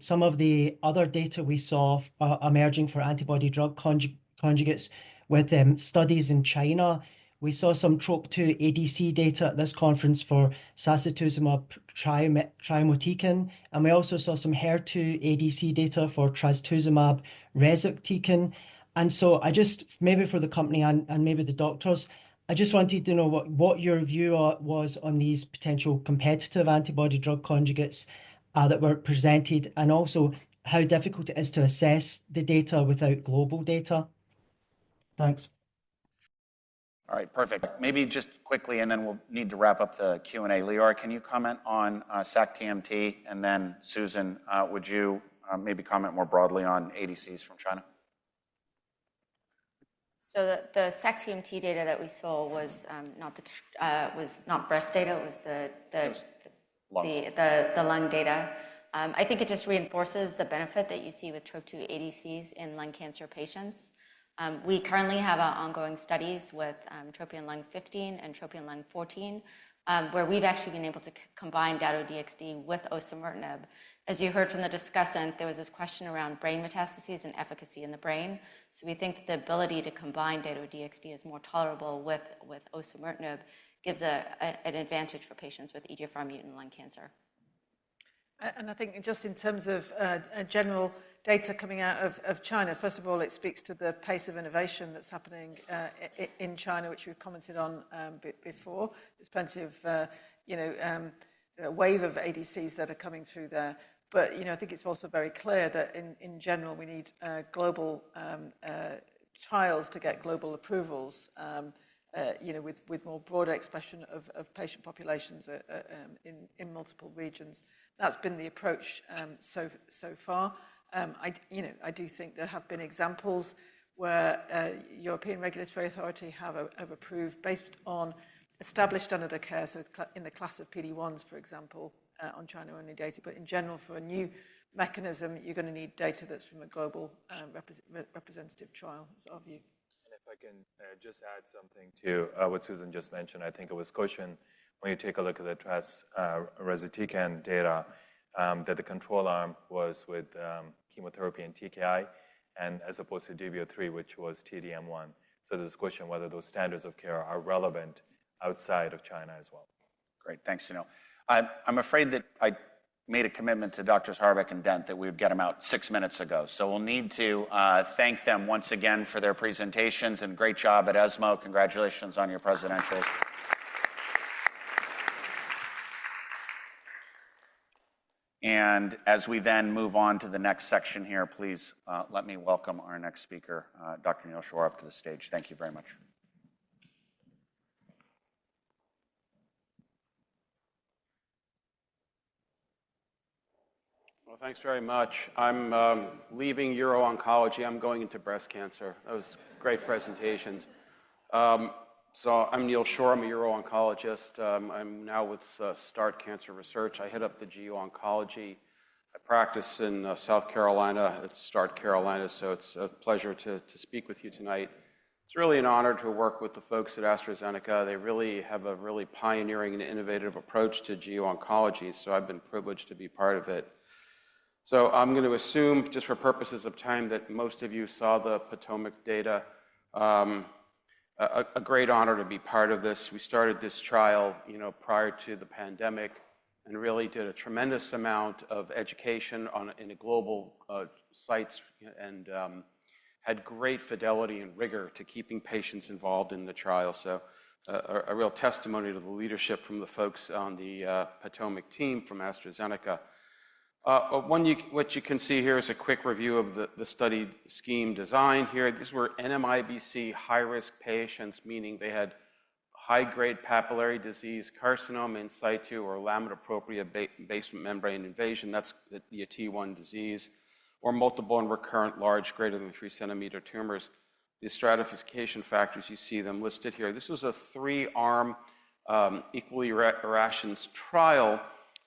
S10: some of the other data we saw emerging for antibody-drug conjugates with studies in China. We saw some TROP2 ADC data at this conference for Cezetuzumab-Trimotecan, and we also saw some HER2 ADC data for Trazetuzumab-Resectecan. I just, maybe for the company and maybe the doctors, I just wanted to know what your view was on these potential competitive antibody-drug conjugates that were presented and also how difficult it is to assess the data without global data? Thanks.
S6: All right, perfect. Maybe just quickly, and then we'll need to wrap up the Q&A. Leora, can you comment on SAC-TMT? And then Susan, would you maybe comment more broadly on ADCs from China?
S11: So the SAC-TMT data that we saw was not breast data. It was the lung data. I think it just reinforces the benefit that you see with TROP2 ADCs in lung cancer patients. We currently have ongoing studies with TROPION-Lung-15 and TROPION-Lung-14, where we've actually been able to combine Dato-DXd with osimertinib. As you heard from the discussant, there was this question around brain metastases and efficacy in the brain. So we think the ability to combine Dato-DXd is more tolerable with osimertinib, gives an advantage for patients with EGFR mutant lung cancer.
S3: And I think just in terms of general data coming out of China, first of all, it speaks to the pace of innovation that's happening in China, which we've commented on before. There's plenty of wave of ADCs that are coming through there. But I think it's also very clear that in general, we need global trials to get global approvals with more broader expression of patient populations in multiple regions. That's been the approach so far. I do think there have been examples where European regulatory authority have approved based on established under the care in the class of PD1s, for example, on China-only data. But in general, for a new mechanism, you're going to need data that's from a global representative trial. That's our view.
S5: And if I can just add something to what Susan just mentioned, I think it was a question when you take a look at the trastuzumab deruxtecan data that the control arm was with chemotherapy and TKI, and as opposed to DB03, which was T-DM1. So there's a question whether those standards of care are relevant outside of China as well.
S6: Great. Thanks, Sunil. I'm afraid that I made a commitment to Doctors Harbeck and Dent that we would get them out six minutes ago, so we'll need to thank them once again for their presentations and great job at ESMO. Congratulations on your presidentials and as we then move on to the next section here, please let me welcome our next speaker, Dr. Neal Shore, up to the stage. Thank you very much.
S12: Well, thanks very much. I'm leaving uro-oncology. I'm going into breast cancer. Those great presentations. So I'm Neal Shore. I'm a uro-oncologist. I'm now with START Cancer Research. I head up the GU Oncology. I practice in South Carolina. It's START Carolina. So it's a pleasure to speak with you tonight. It's really an honor to work with the folks at AstraZeneca. They really have a pioneering and innovative approach to GU Oncology. So I've been privileged to be part of it. So I'm going to assume, just for purposes of time, that most of you saw the POTOMAC data. A great honor to be part of this. We started this trial prior to the pandemic and really did a tremendous amount of education in the global sites and had great fidelity and rigor to keeping patients involved in the trial. A real testimony to the leadership from the folks on the POTOMAC team from AstraZeneca. What you can see here is a quick review of the study schema design here. These were NMIBC high-risk patients, meaning they had high-grade papillary disease, carcinoma in situ, or lamina propria basement membrane invasion. That's the T1 disease, or multiple and recurrent large greater than 3-centimeter tumors. The stratification factors, you see them listed here. This was a three-arm equally randomized trial.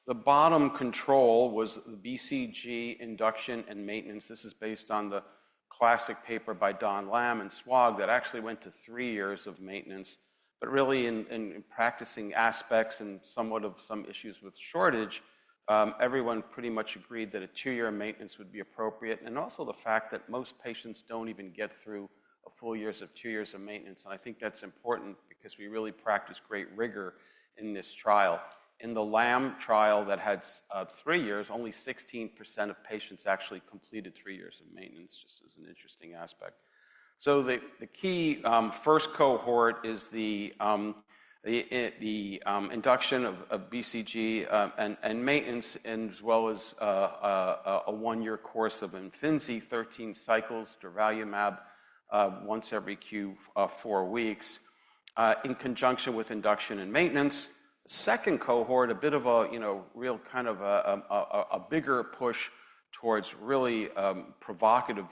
S12: The bottom control was the BCG induction and maintenance. This is based on the classic paper by Donald Lamm and SWOG that actually went to three years of maintenance. But really, in practical aspects and somewhat of some issues with shortage, everyone pretty much agreed that a two-year maintenance would be appropriate, and also the fact that most patients don't even get through a full year of two years of maintenance. And I think that's important because we really practiced great rigor in this trial. In the Lamm trial that had three years, only 16% of patients actually completed three years of maintenance, just as an interesting aspect. So the key first cohort is the induction of BCG and maintenance, as well as a one-year course of Imfinzi, 13 cycles, Durvalumab once every q4 weeks in conjunction with induction and maintenance. Second cohort, a bit of a real kind of a bigger push towards really provocative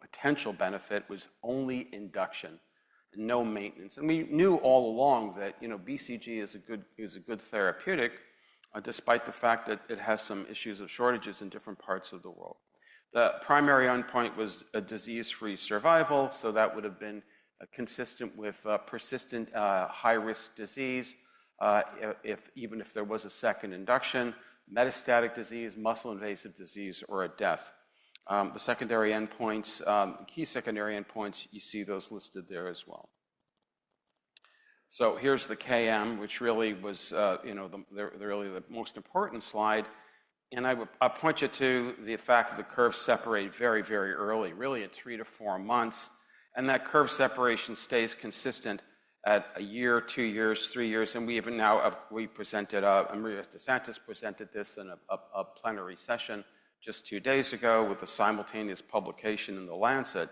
S12: potential benefit was only induction, no maintenance. And we knew all along that BCG is a good therapeutic, despite the fact that it has some issues of shortages in different parts of the world. The primary endpoint was disease-free survival. So that would have been consistent with persistent high-risk disease, even if there was a second induction, metastatic disease, muscle-invasive disease, or a death. The key secondary endpoints, you see those listed there as well. So here's the KM, which really was the most important slide. And I point you to the fact that the curves separate very, very early, really at three to four months. And that curve separation stays consistent at a year, two years, three years. And we even now, we presented, Maria De Santis presented this in a plenary session just two days ago with a simultaneous publication in The Lancet.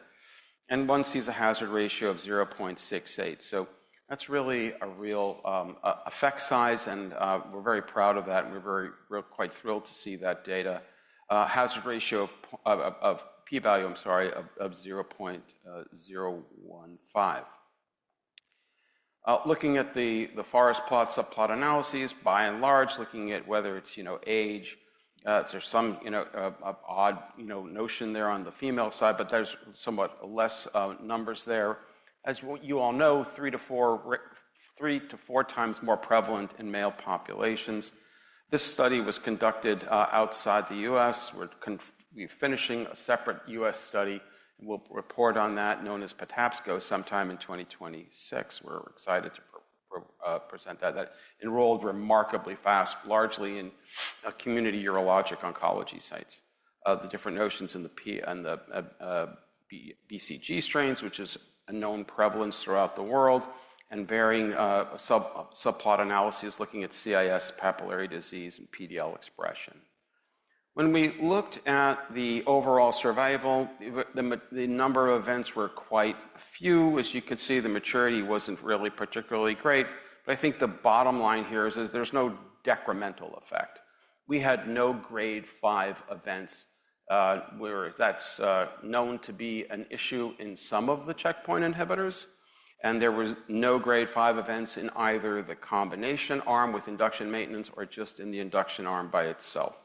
S12: And one sees a hazard ratio of 0.68. So that's really a real effect size. And we're very proud of that. And we're quite thrilled to see that data. Hazard ratio of P-value, I'm sorry, of 0.015. Looking at the forest plot subplot analyses, by and large, looking at whether it's age, there's some odd notion there on the female side, but there's somewhat less numbers there. As you all know, three to four times more prevalent in male populations. This study was conducted outside the U.S. We're finishing a separate U.S. study. We'll report on that, known as POTOMAC, sometime in 2026. We're excited to present that. That enrolled remarkably fast, largely in community urologic oncology sites. The different mutations in the BCG strains, which is a known prevalence throughout the world, and varying subgroup analyses looking at CIS papillary disease and PD-L1 expression. When we looked at the overall survival, the number of events were quite few. As you can see, the maturity wasn't really particularly great. But I think the bottom line here is there's no decremental effect. We had no grade 5 events. That's known to be an issue in some of the checkpoint inhibitors. And there were no grade 5 events in either the combination arm with induction maintenance or just in the induction arm by itself.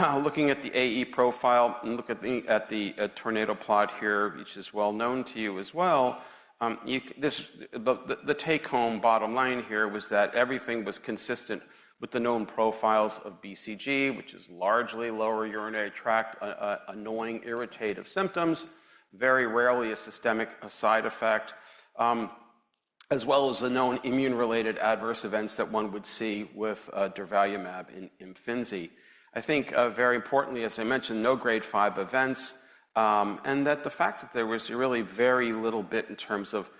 S12: Looking at the AE profile, look at the tornado plot here, which is well known to you as well. The take-home bottom line here was that everything was consistent with the known profiles of BCG, which is largely lower urinary tract, annoying, irritative symptoms, very rarely a systemic side effect, as well as the known immune-related adverse events that one would see with Durvalumab and Imfinzi. I think very importantly, as I mentioned, no grade 5 events, and that the fact that there was really very little bit in terms of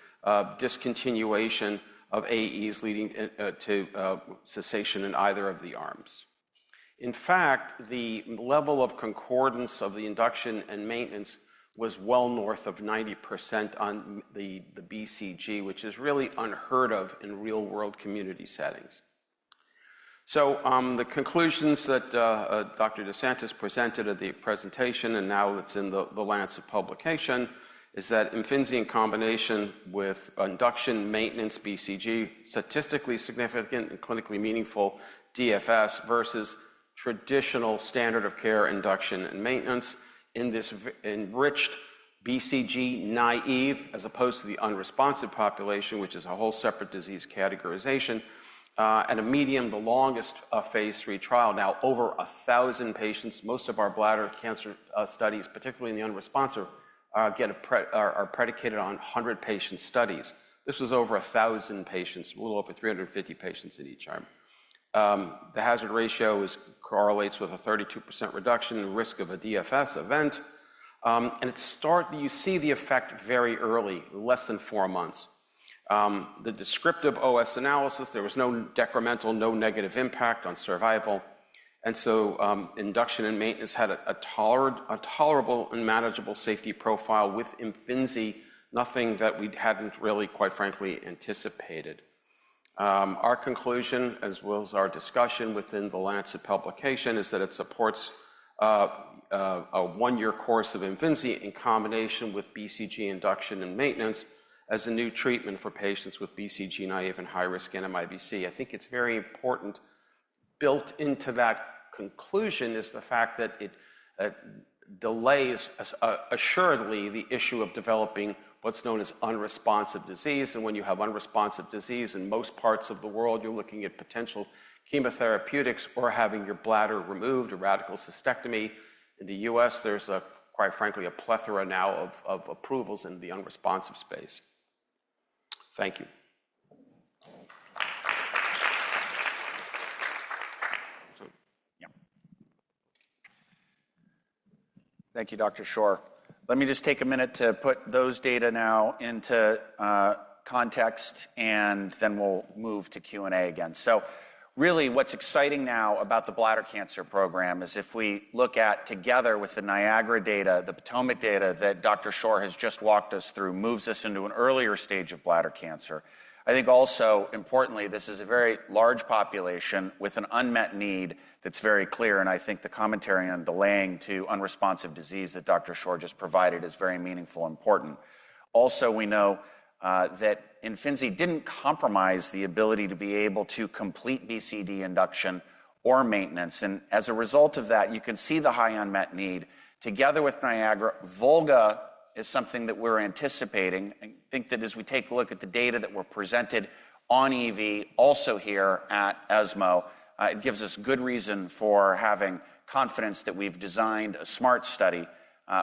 S12: discontinuation of AEs leading to cessation in either of the arms. In fact, the level of concordance of the induction and maintenance was well north of 90% on the BCG, which is really unheard of in real-world community settings. So the conclusions that Dr. De Santis presented at the presentation, and now it's in The Lancet publication, is that Imfinzi in combination with induction maintenance BCG, statistically significant and clinically meaningful DFS versus traditional standard of care induction and maintenance in this enriched BCG naive as opposed to the unresponsive population, which is a whole separate disease categorization, and a median to longest phase three trial, now over 1,000 patients, most of our bladder cancer studies, particularly in the unresponsive, are predicated on 100-patient studies. This was over 1,000 patients, a little over 350 patients in each arm. The hazard ratio correlates with a 32% reduction in risk of a DFS event. And you see the effect very early, less than four months. The descriptive OS analysis, there was no decremental, no negative impact on survival. And so induction and maintenance had a tolerable and manageable safety profile with Imfinzi, nothing that we hadn't really, quite frankly, anticipated. Our conclusion, as well as our discussion within The Lancet publication, is that it supports a one-year course of Imfinzi in combination with BCG induction and maintenance as a new treatment for patients with BCG naive and high-risk NMIBC. I think it's very important built into that conclusion is the fact that it delays assuredly the issue of developing what's known as unresponsive disease. And when you have unresponsive disease in most parts of the world, you're looking at potential chemotherapeutics or having your bladder removed, a radical cystectomy. In the U.S., there's quite frankly a plethora now of approvals in the unresponsive space. Thank you.
S6: Thank you, Dr. Shore. Let me just take a minute to put those data now into context, and then we'll move to Q&A again. So really, what's exciting now about the bladder cancer program is if we look at together with the Niagara data, the POTOMAC data that Dr. Shore has just walked us through, moves us into an earlier stage of bladder cancer. I think also importantly, this is a very large population with an unmet need that's very clear. And I think the commentary on delaying to unresponsive disease that Dr. Shore just provided is very meaningful and important. Also, we know that Imfinzi didn't compromise the ability to be able to complete BCG induction or maintenance. And as a result of that, you can see the high unmet need together with Niagara. Volga is something that we're anticipating. I think that as we take a look at the data that were presented on EV, also here at ESMO, it gives us good reason for having confidence that we've designed a smart study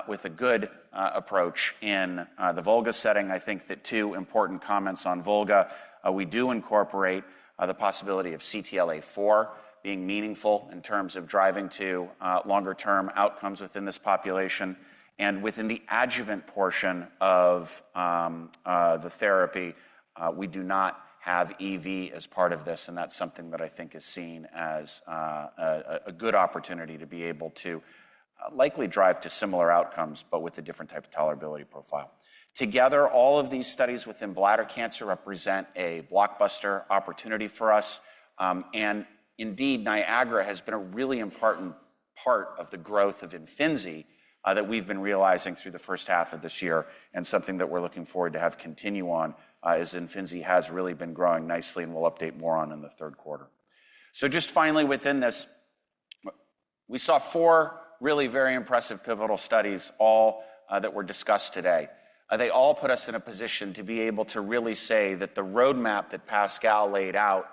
S6: with a good approach in the Volga setting. I think that two important comments on Volga, we do incorporate the possibility of CTLA-4 being meaningful in terms of driving to longer-term outcomes within this population, and within the adjuvant portion of the therapy, we do not have EV as part of this, and that's something that I think is seen as a good opportunity to be able to likely drive to similar outcomes, but with a different type of tolerability profile. Together, all of these studies within bladder cancer represent a blockbuster opportunity for us. And indeed, Niagara has been a really important part of the growth of Imfinzi that we've been realizing through the first half of this year. And something that we're looking forward to have continue on is Imfinzi has really been growing nicely, and we'll update more on it in the third quarter. So just finally, within this, we saw four really very impressive pivotal studies all that were discussed today. They all put us in a position to be able to really say that the roadmap that Pascal laid out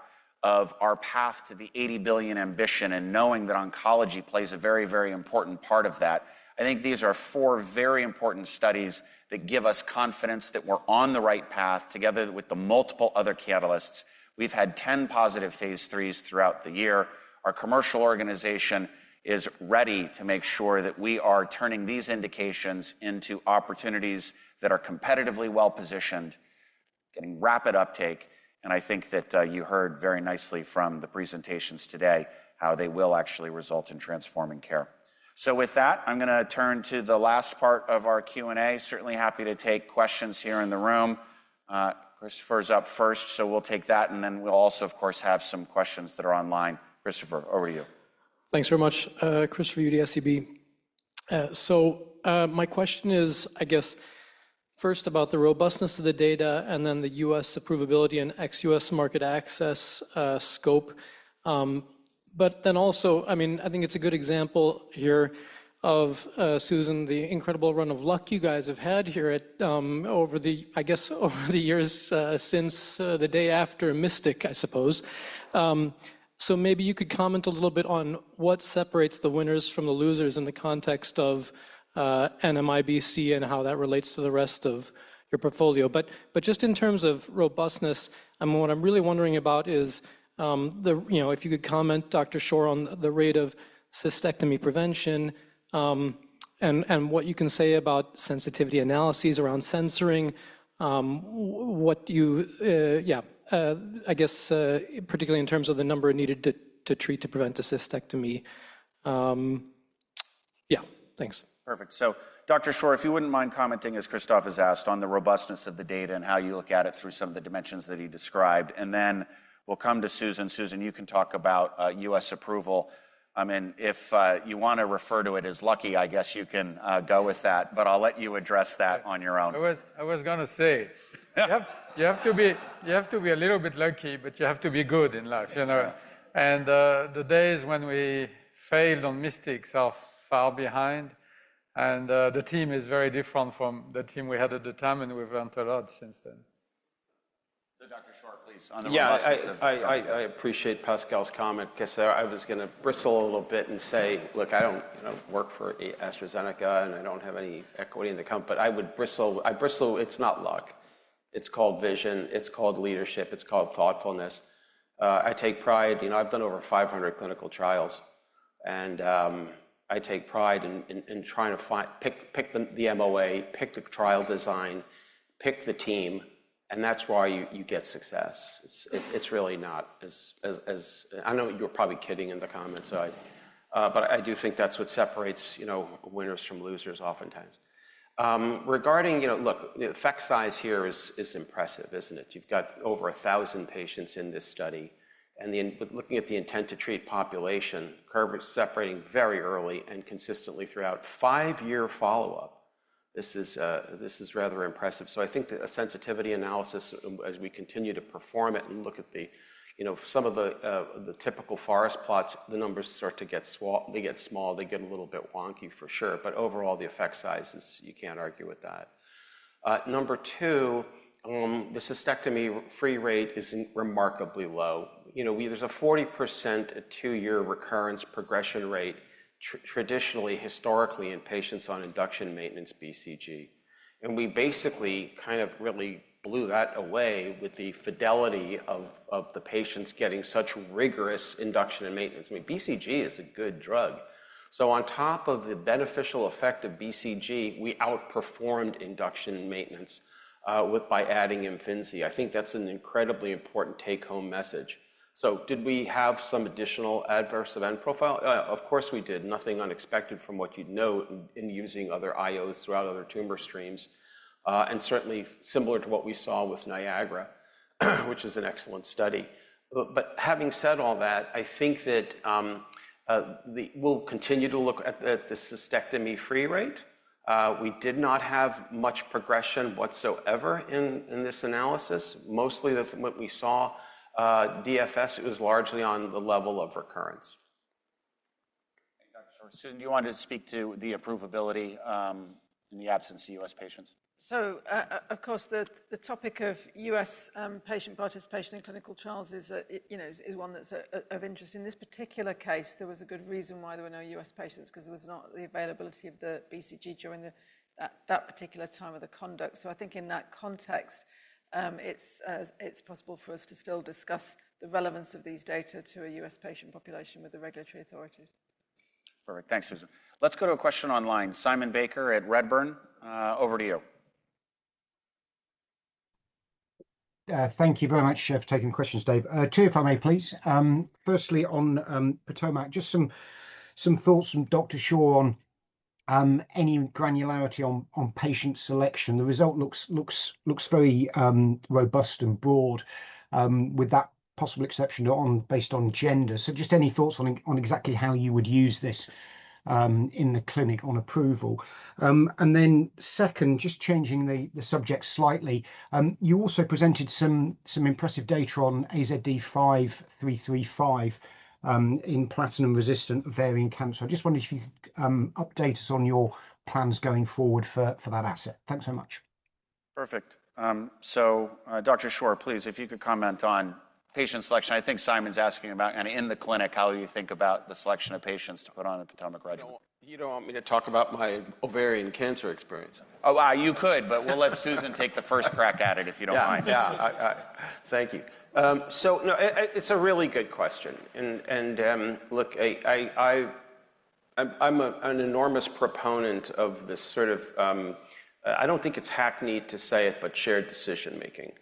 S6: for our path to the $80 billion ambition and knowing that oncology plays a very, very important part of that. I think these are four very important studies that give us confidence that we're on the right path together with the multiple other catalysts. We've had 10 positive phase IIIs throughout the year. Our commercial organization is ready to make sure that we are turning these indications into opportunities that are competitively well-positioned, getting rapid uptake. And I think that you heard very nicely from the presentations today how they will actually result in transforming care. So with that, I'm going to turn to the last part of our Q&A. Certainly happy to take questions here in the room. Christopher's up first, so we'll take that. And then we'll also, of course, have some questions that are online. Christopher, over to you.
S13: Thanks very much, Chris from SEB. So my question is, I guess, first about the robustness of the data and then the US approvability and ex-US market access scope. But then also, I mean, I think it's a good example here of, Susan, the incredible run of luck you guys have had here over the, I guess, over the years since the day after Mystic, I suppose. So maybe you could comment a little bit on what separates the winners from the losers in the context of NMIBC and how that relates to the rest of your portfolio. But just in terms of robustness, what I'm really wondering about is if you could comment, Dr. Shore, on the rate of cystectomy prevention and what you can say about sensitivity analyses around censoring. Yeah, I guess, particularly in terms of the number needed to treat to prevent a cystectomy. Yeah, thanks.
S6: Perfect. So Dr. Shore, if you wouldn't mind commenting, as Christopher has asked, on the robustness of the data and how you look at it through some of the dimensions that he described. And then we'll come to Susan. Susan, you can talk about US approval. I mean, if you want to refer to it as lucky, I guess you can go with that. But I'll let you address that on your own.
S2: I was going to say, you have to be a little bit lucky, but you have to be good in life, and the days when we failed on Mystic are far behind, and the team is very different from the team we had at the time, and we've learned a lot since then.
S6: So, Dr. Shore, please, on the robustness of.
S12: Yeah, I appreciate Pascal's comment because I was going to bristle a little bit and say, look, I don't work for AstraZeneca, and I don't have any equity in the company. But I bristle, I bristle. It's not luck. It's called vision. It's called leadership. It's called thoughtfulness. I take pride. I've done over 500 clinical trials. And I take pride in trying to pick the MOA, pick the trial design, pick the team. And that's why you get success. It's really not as. I know you're probably kidding in the comments. But I do think that's what separates winners from losers oftentimes. Regarding, look, effect size here is impressive, isn't it? You've got over 1,000 patients in this study. And looking at the intent to treat population, curve is separating very early and consistently throughout five-year follow-up. This is rather impressive. So I think the sensitivity analysis, as we continue to perform it and look at some of the typical forest plots, the numbers start to get small. They get a little bit wonky for sure. But overall, the effect size is, you can't argue with that. Number two, the cystectomy-free rate is remarkably low. There's a 40% two-year recurrence progression rate, traditionally, historically, in patients on induction maintenance BCG. And we basically kind of really blew that away with the fidelity of the patients getting such rigorous induction and maintenance. I mean, BCG is a good drug. So on top of the beneficial effect of BCG, we outperformed induction and maintenance by adding Imfinzi. I think that's an incredibly important take-home message. So did we have some additional adverse event profile? Of course we did. Nothing unexpected from what you'd know in using other IOs throughout other tumor streams. And certainly similar to what we saw with Niagara, which is an excellent study. But having said all that, I think that we'll continue to look at the cystectomy free rate. We did not have much progression whatsoever in this analysis. Mostly what we saw, DFS, it was largely on the level of recurrence.
S6: Thank you, Dr. Shore. Susan, do you want to speak to the approvability in the absence of U.S. patients?
S3: So of course, the topic of U.S. patient participation in clinical trials is one that's of interest. In this particular case, there was a good reason why there were no U.S. patients because there was not the availability of the BCG during that particular time of the conduct. So I think in that context, it's possible for us to still discuss the relevance of these data to a U.S. patient population with the regulatory authorities.
S6: Perfect. Thanks, Susan. Let's go to a question online. Simon Baker at Redburn, over to you.
S14: Thank you very much for taking the questions, Dave. Two, if I may, please. Firstly, on POTOMAC, just some thoughts from Dr. Shore on any granularity on patient selection. The result looks very robust and broad, with that possible exception based on gender. So just any thoughts on exactly how you would use this in the clinic on approval. And then second, just changing the subject slightly, you also presented some impressive data on AZD5335 in platinum-resistant ovarian cancer. I just wondered if you could update us on your plans going forward for that asset. Thanks very much.
S6: Perfect. So Dr. Shore, please, if you could comment on patient selection. I think Simon's asking about, kind of in the clinic, how you think about the selection of patients to put on a POTOMAC regimen.
S12: You don't want me to talk about my ovarian cancer experience.
S6: Oh, wow, you could, but we'll let Susan take the first crack at it, if you don't mind.
S12: Yeah, yeah. Thank you. So it's a really good question. And look, I'm an enormous proponent of this sort of, I don't think it's hackneyed to say it, but shared decision-making.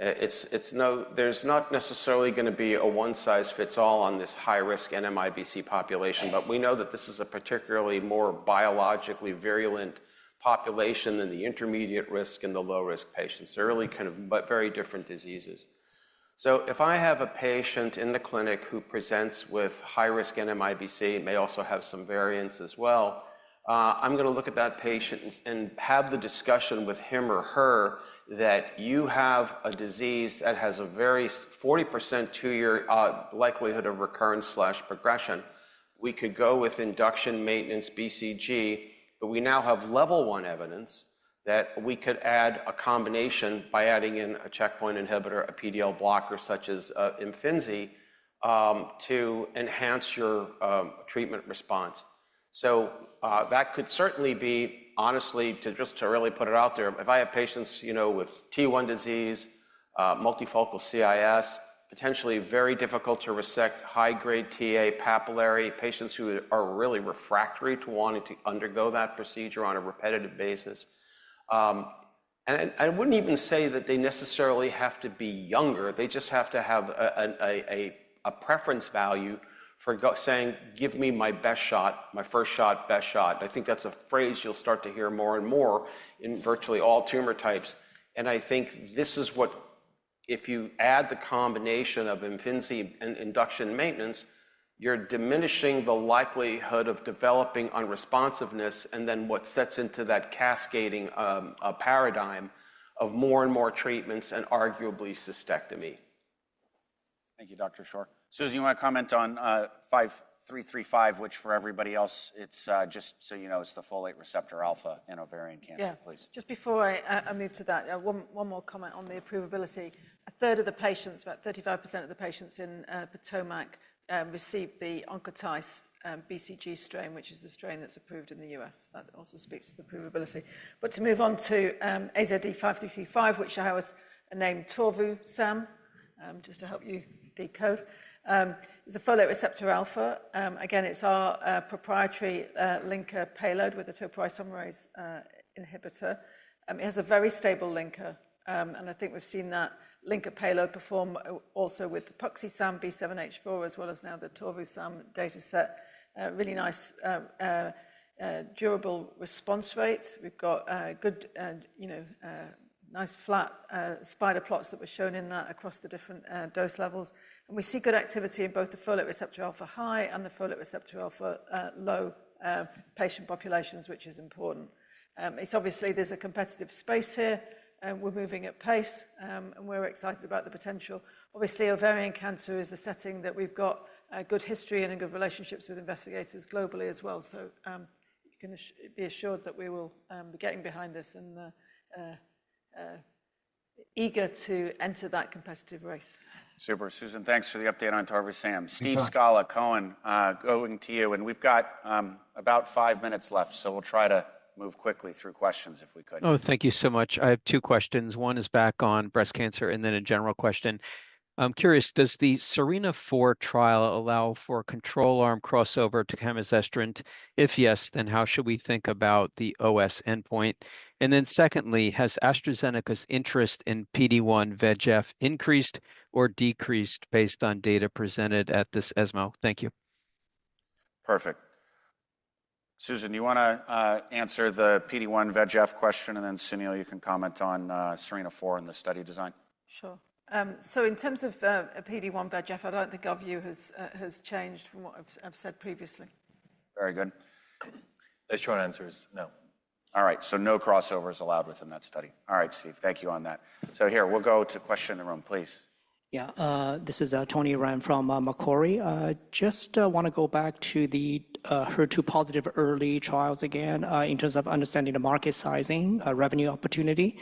S12: There's not necessarily going to be a one-size-fits-all on this high-risk NMIBC population. But we know that this is a particularly more biologically virulent population than the intermediate risk and the low-risk patients. They're really kind of very different diseases. So if I have a patient in the clinic who presents with high-risk NMIBC, may also have some variants as well, I'm going to look at that patient and have the discussion with him or her that you have a disease that has a very 40% two-year likelihood of recurrence/progression. We could go with induction maintenance BCG, but we now have level one evidence that we could add a combination by adding in a checkpoint inhibitor, a PDL blocker such as Imfinzi, to enhance your treatment response, so that could certainly be, honestly, just to really put it out there, if I have patients with T1 disease, multifocal CIS, potentially very difficult to resect, high-grade TA papillary, patients who are really refractory to wanting to undergo that procedure on a repetitive basis, and I wouldn't even say that they necessarily have to be younger. They just have to have a preference value for saying, "Give me my best shot, my first shot, best shot." I think that's a phrase you'll start to hear more and more in virtually all tumor types. I think this is what, if you add the combination of Imfinzi and induction maintenance, you're diminishing the likelihood of developing unresponsiveness and then what sets into that cascading paradigm of more and more treatments and arguably cystectomy.
S6: Thank you, Dr. Shore. Susan, you want to comment on 5335, which, for everybody else, it's just so you know, it's the folate receptor alpha in ovarian cancer, please.
S3: Yeah, just before I move to that, one more comment on the approvability. A third of the patients, about 35% of the patients in POTOMAC, received the OncoTICE BCG strain, which is the strain that's approved in the U.S. That also speaks to the approvability. But to move on to AZD5335, which we're naming Torvusam, Sam, just to help you decode. It's a folate receptor alpha. Again, it's our proprietary linker payload with the topoisomerase inhibitor. It has a very stable linker. And I think we've seen that linker payload perform also with the Puxisam B7-H4, as well as now the Torvusam data set. Really nice durable response rates. We've got good, nice flat spider plots that were shown in that across the different dose levels. And we see good activity in both the folate receptor alpha high and the folate receptor alpha low patient populations, which is important. Obviously, there's a competitive space here. We're moving at pace, and we're excited about the potential. Obviously, ovarian cancer is a setting that we've got good history and good relationships with investigators globally as well. So you can be assured that we will be getting behind this and eager to enter that competitive race.
S6: Super. Susan, thanks for the update on Truqap. Steve Scala, Cowen, going to you, and we've got about five minutes left, so we'll try to move quickly through questions if we could.
S15: Oh, thank you so much. I have two questions. One is back on breast cancer and then a general question. I'm curious, does the SERENA-4 trial allow for control arm crossover to camizestrant? If yes, then how should we think about the OS endpoint? And then secondly, has AstraZeneca's interest in PD1 VEGF increased or decreased based on data presented at this ESMO? Thank you.
S6: Perfect. Susan, you want to answer the PD1 VEGF question, and then Sunil, you can comment on SeERENA-4 and the study design.
S3: Sure, so in terms of PD1 VEGF, I don't think our view has changed from what I've said previously.
S15: Very good. Those short answers? No.
S6: All right. So no crossover is allowed within that study. All right, Steve, thank you on that. So here, we'll go to questions in the room, please.
S16: Yeah, this is Tony Ren from Macquarie. Just want to go back to the HER2-positive early trials again in terms of understanding the market sizing, revenue opportunity.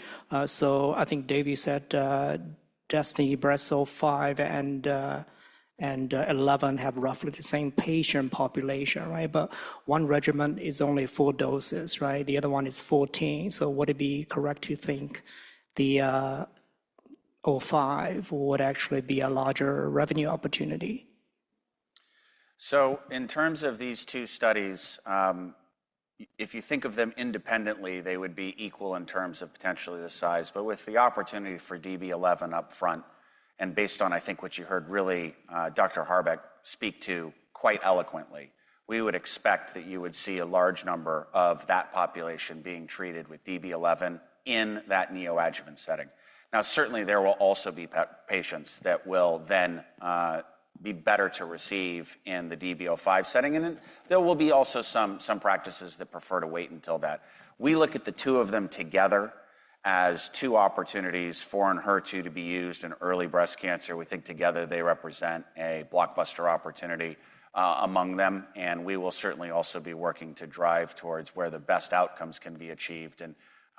S16: So I think Dave you said DESTINY-Breast05 and 11 have roughly the same patient population, right? But one regimen is only four doses, right? The other one is 14. So would it be correct to think the 05 would actually be a larger revenue opportunity?
S6: So in terms of these two studies, if you think of them independently, they would be equal in terms of potentially the size. But with the opportunity for DB11 upfront, and based on, I think, what you heard really Dr. Harbeck speak to quite eloquently, we would expect that you would see a large number of that population being treated with DB11 in that neoadjuvant setting. Now, certainly, there will also be patients that will then be better to receive in the DB05 setting. And there will be also some practices that prefer to wait until that. We look at the two of them together as two opportunities for enhertu to be used in early breast cancer. We think together they represent a blockbuster opportunity among them. And we will certainly also be working to drive towards where the best outcomes can be achieved. And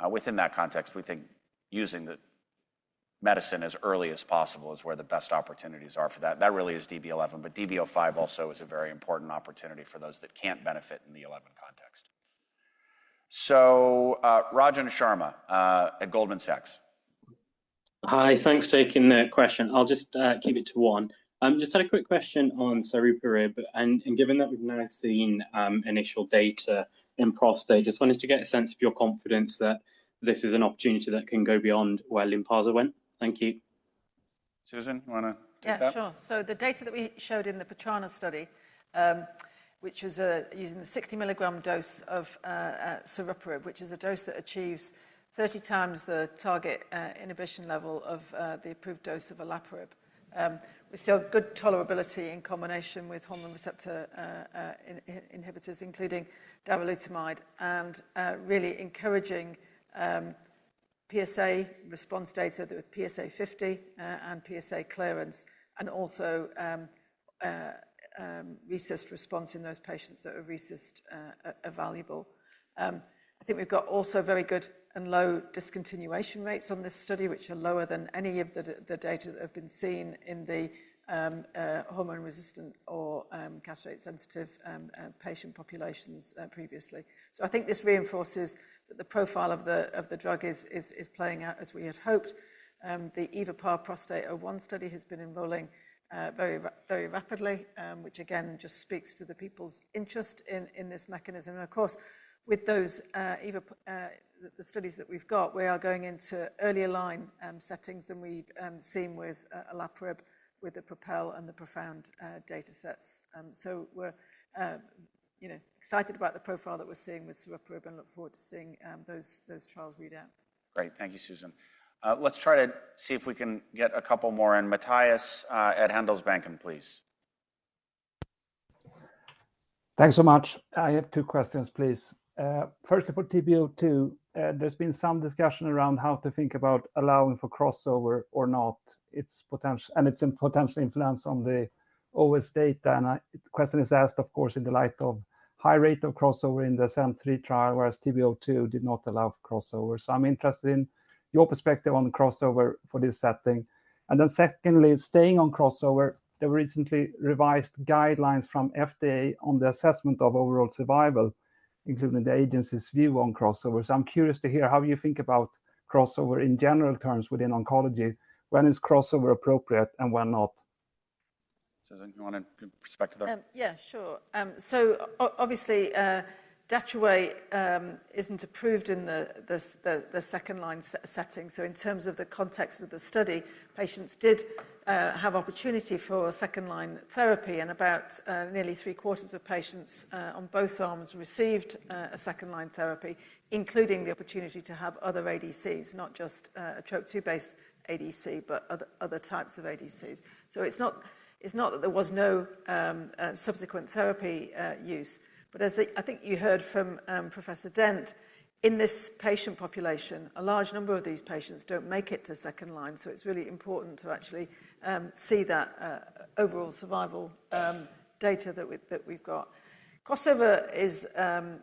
S6: within that context, we think using the medicine as early as possible is where the best opportunities are for that. That really is DB11. But DB05 also is a very important opportunity for those that can't benefit in the 11 context. So Rajan Sharma at Goldman Sachs.
S17: Hi, thanks for taking that question. I'll just keep it to one. I just had a quick question on Sariparib, and given that we've now seen initial data in prostate, just wanted to get a sense of your confidence that this is an opportunity that can go beyond where Lynparza went? Thank you.
S6: Susan, you want to take that?
S3: Yeah, sure. So the data that we showed in the Patrana study, which was using the 60 milligram dose of sariparib, which is a dose that achieves 30x the target inhibition level of the approved dose of olaparib, we saw good tolerability in combination with hormone receptor inhibitors, including darolutamide, and really encouraging PSA response data with PSA 50 and PSA clearance, and also radiographic response in those patients that are radiographically evaluable. I think we've got also very good and low discontinuation rates on this study, which are lower than any of the data that have been seen in the hormone-resistant or castrate-sensitive patient populations previously. So I think this reinforces that the profile of the drug is playing out as we had hoped. The EvoPAR-Prostate01 study has been enrolling very rapidly, which again just speaks to the people's interest in this mechanism. And of course, with those studies that we've got, we are going into earlier line settings than we've seen with olaparib with the PROPEL and the PROFOUND data sets. So we're excited about the profile that we're seeing with sariparib and look forward to seeing those trials read out.
S6: Great. Thank you, Susan. Let's try to see if we can get a couple more, and Mattias at Handelsbanken, please.
S18: Thanks so much. I have two questions, please. First, for TB02, there's been some discussion around how to think about allowing for crossover or not, and its potential influence on the OS data. And the question is asked, of course, in the light of high rate of crossover in the SEM3 trial, whereas TB02 did not allow for crossover. So I'm interested in your perspective on crossover for this setting. And then secondly, staying on crossover, there were recently revised guidelines from FDA on the assessment of overall survival, including the agency's view on crossover. So I'm curious to hear how you think about crossover in general terms within oncology. When is crossover appropriate and when not?
S6: Susan, you want to give perspective there?
S3: Yeah, sure. So obviously, Datroway isn't approved in the second line setting. So in terms of the context of the study, patients did have opportunity for second line therapy. And about nearly three quarters of patients on both arms received a second line therapy, including the opportunity to have other ADCs, not just a TROP2-based ADC, but other types of ADCs. So it's not that there was no subsequent therapy use. But as I think you heard from Professor Dent, in this patient population, a large number of these patients don't make it to second line. So it's really important to actually see that overall survival data that we've got. Crossover is a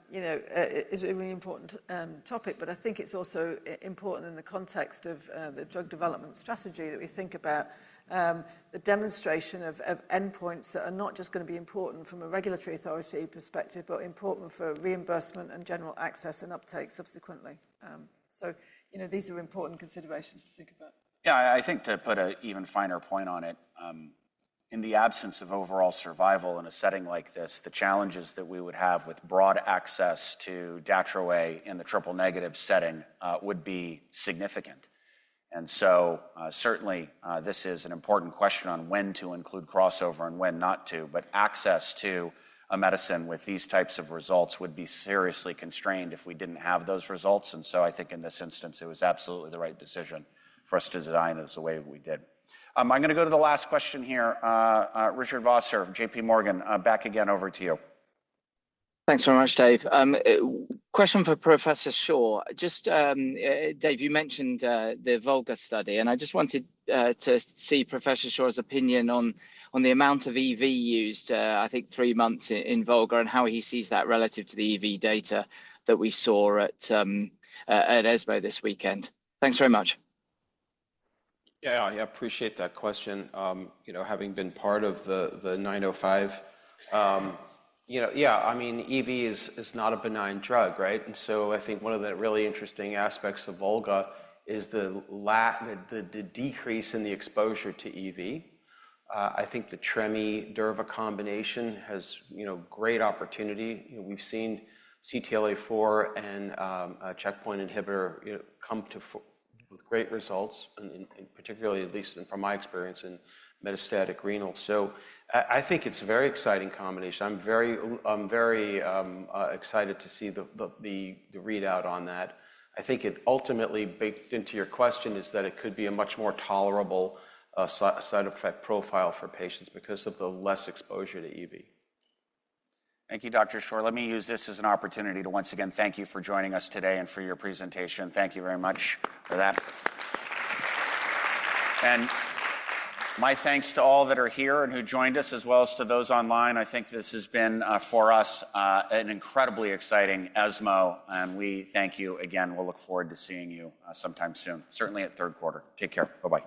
S3: really important topic, but I think it's also important in the context of the drug development strategy that we think about the demonstration of endpoints that are not just going to be important from a regulatory authority perspective, but important for reimbursement and general access and uptake subsequently, so these are important considerations to think about.
S6: Yeah, I think to put an even finer point on it, in the absence of overall survival in a setting like this, the challenges that we would have with broad access to Datroway in the triple negative setting would be significant. And so certainly, this is an important question on when to include crossover and when not to. But access to a medicine with these types of results would be seriously constrained if we didn't have those results. And so I think in this instance, it was absolutely the right decision for us to design it the way we did. I'm going to go to the last question here. Richard Vosser of J.P. Morgan, back again over to you.
S9: Thanks very much, Dave. Question for Professor Shore. Just, Dave, you mentioned the Volga study. And I just wanted to see Professor Shore's opinion on the amount of EV used, I think three months in Volga, and how he sees that relative to the EV data that we saw at ESMO this weekend. Thanks very much.
S12: Yeah, I appreciate that question. Having been part of the 905, yeah, I mean, EV is not a benign drug, right? And so I think one of the really interesting aspects of VOLGA is the decrease in the exposure to EV. I think the trem-durva combination has great opportunity. We've seen CTLA-4 and a checkpoint inhibitor come to with great results, particularly, at least from my experience, in metastatic renal. So I think it's a very exciting combination. I'm very excited to see the readout on that. I think it ultimately baked into your question is that it could be a much more tolerable side effect profile for patients because of the less exposure to EV.
S6: Thank you, Dr. Shore. Let me use this as an opportunity to once again thank you for joining us today and for your presentation. Thank you very much for that. And my thanks to all that are here and who joined us, as well as to those online. I think this has been, for us, an incredibly exciting ESMO. And we thank you again. We'll look forward to seeing you sometime soon, certainly at third quarter. Take care. Bye-bye.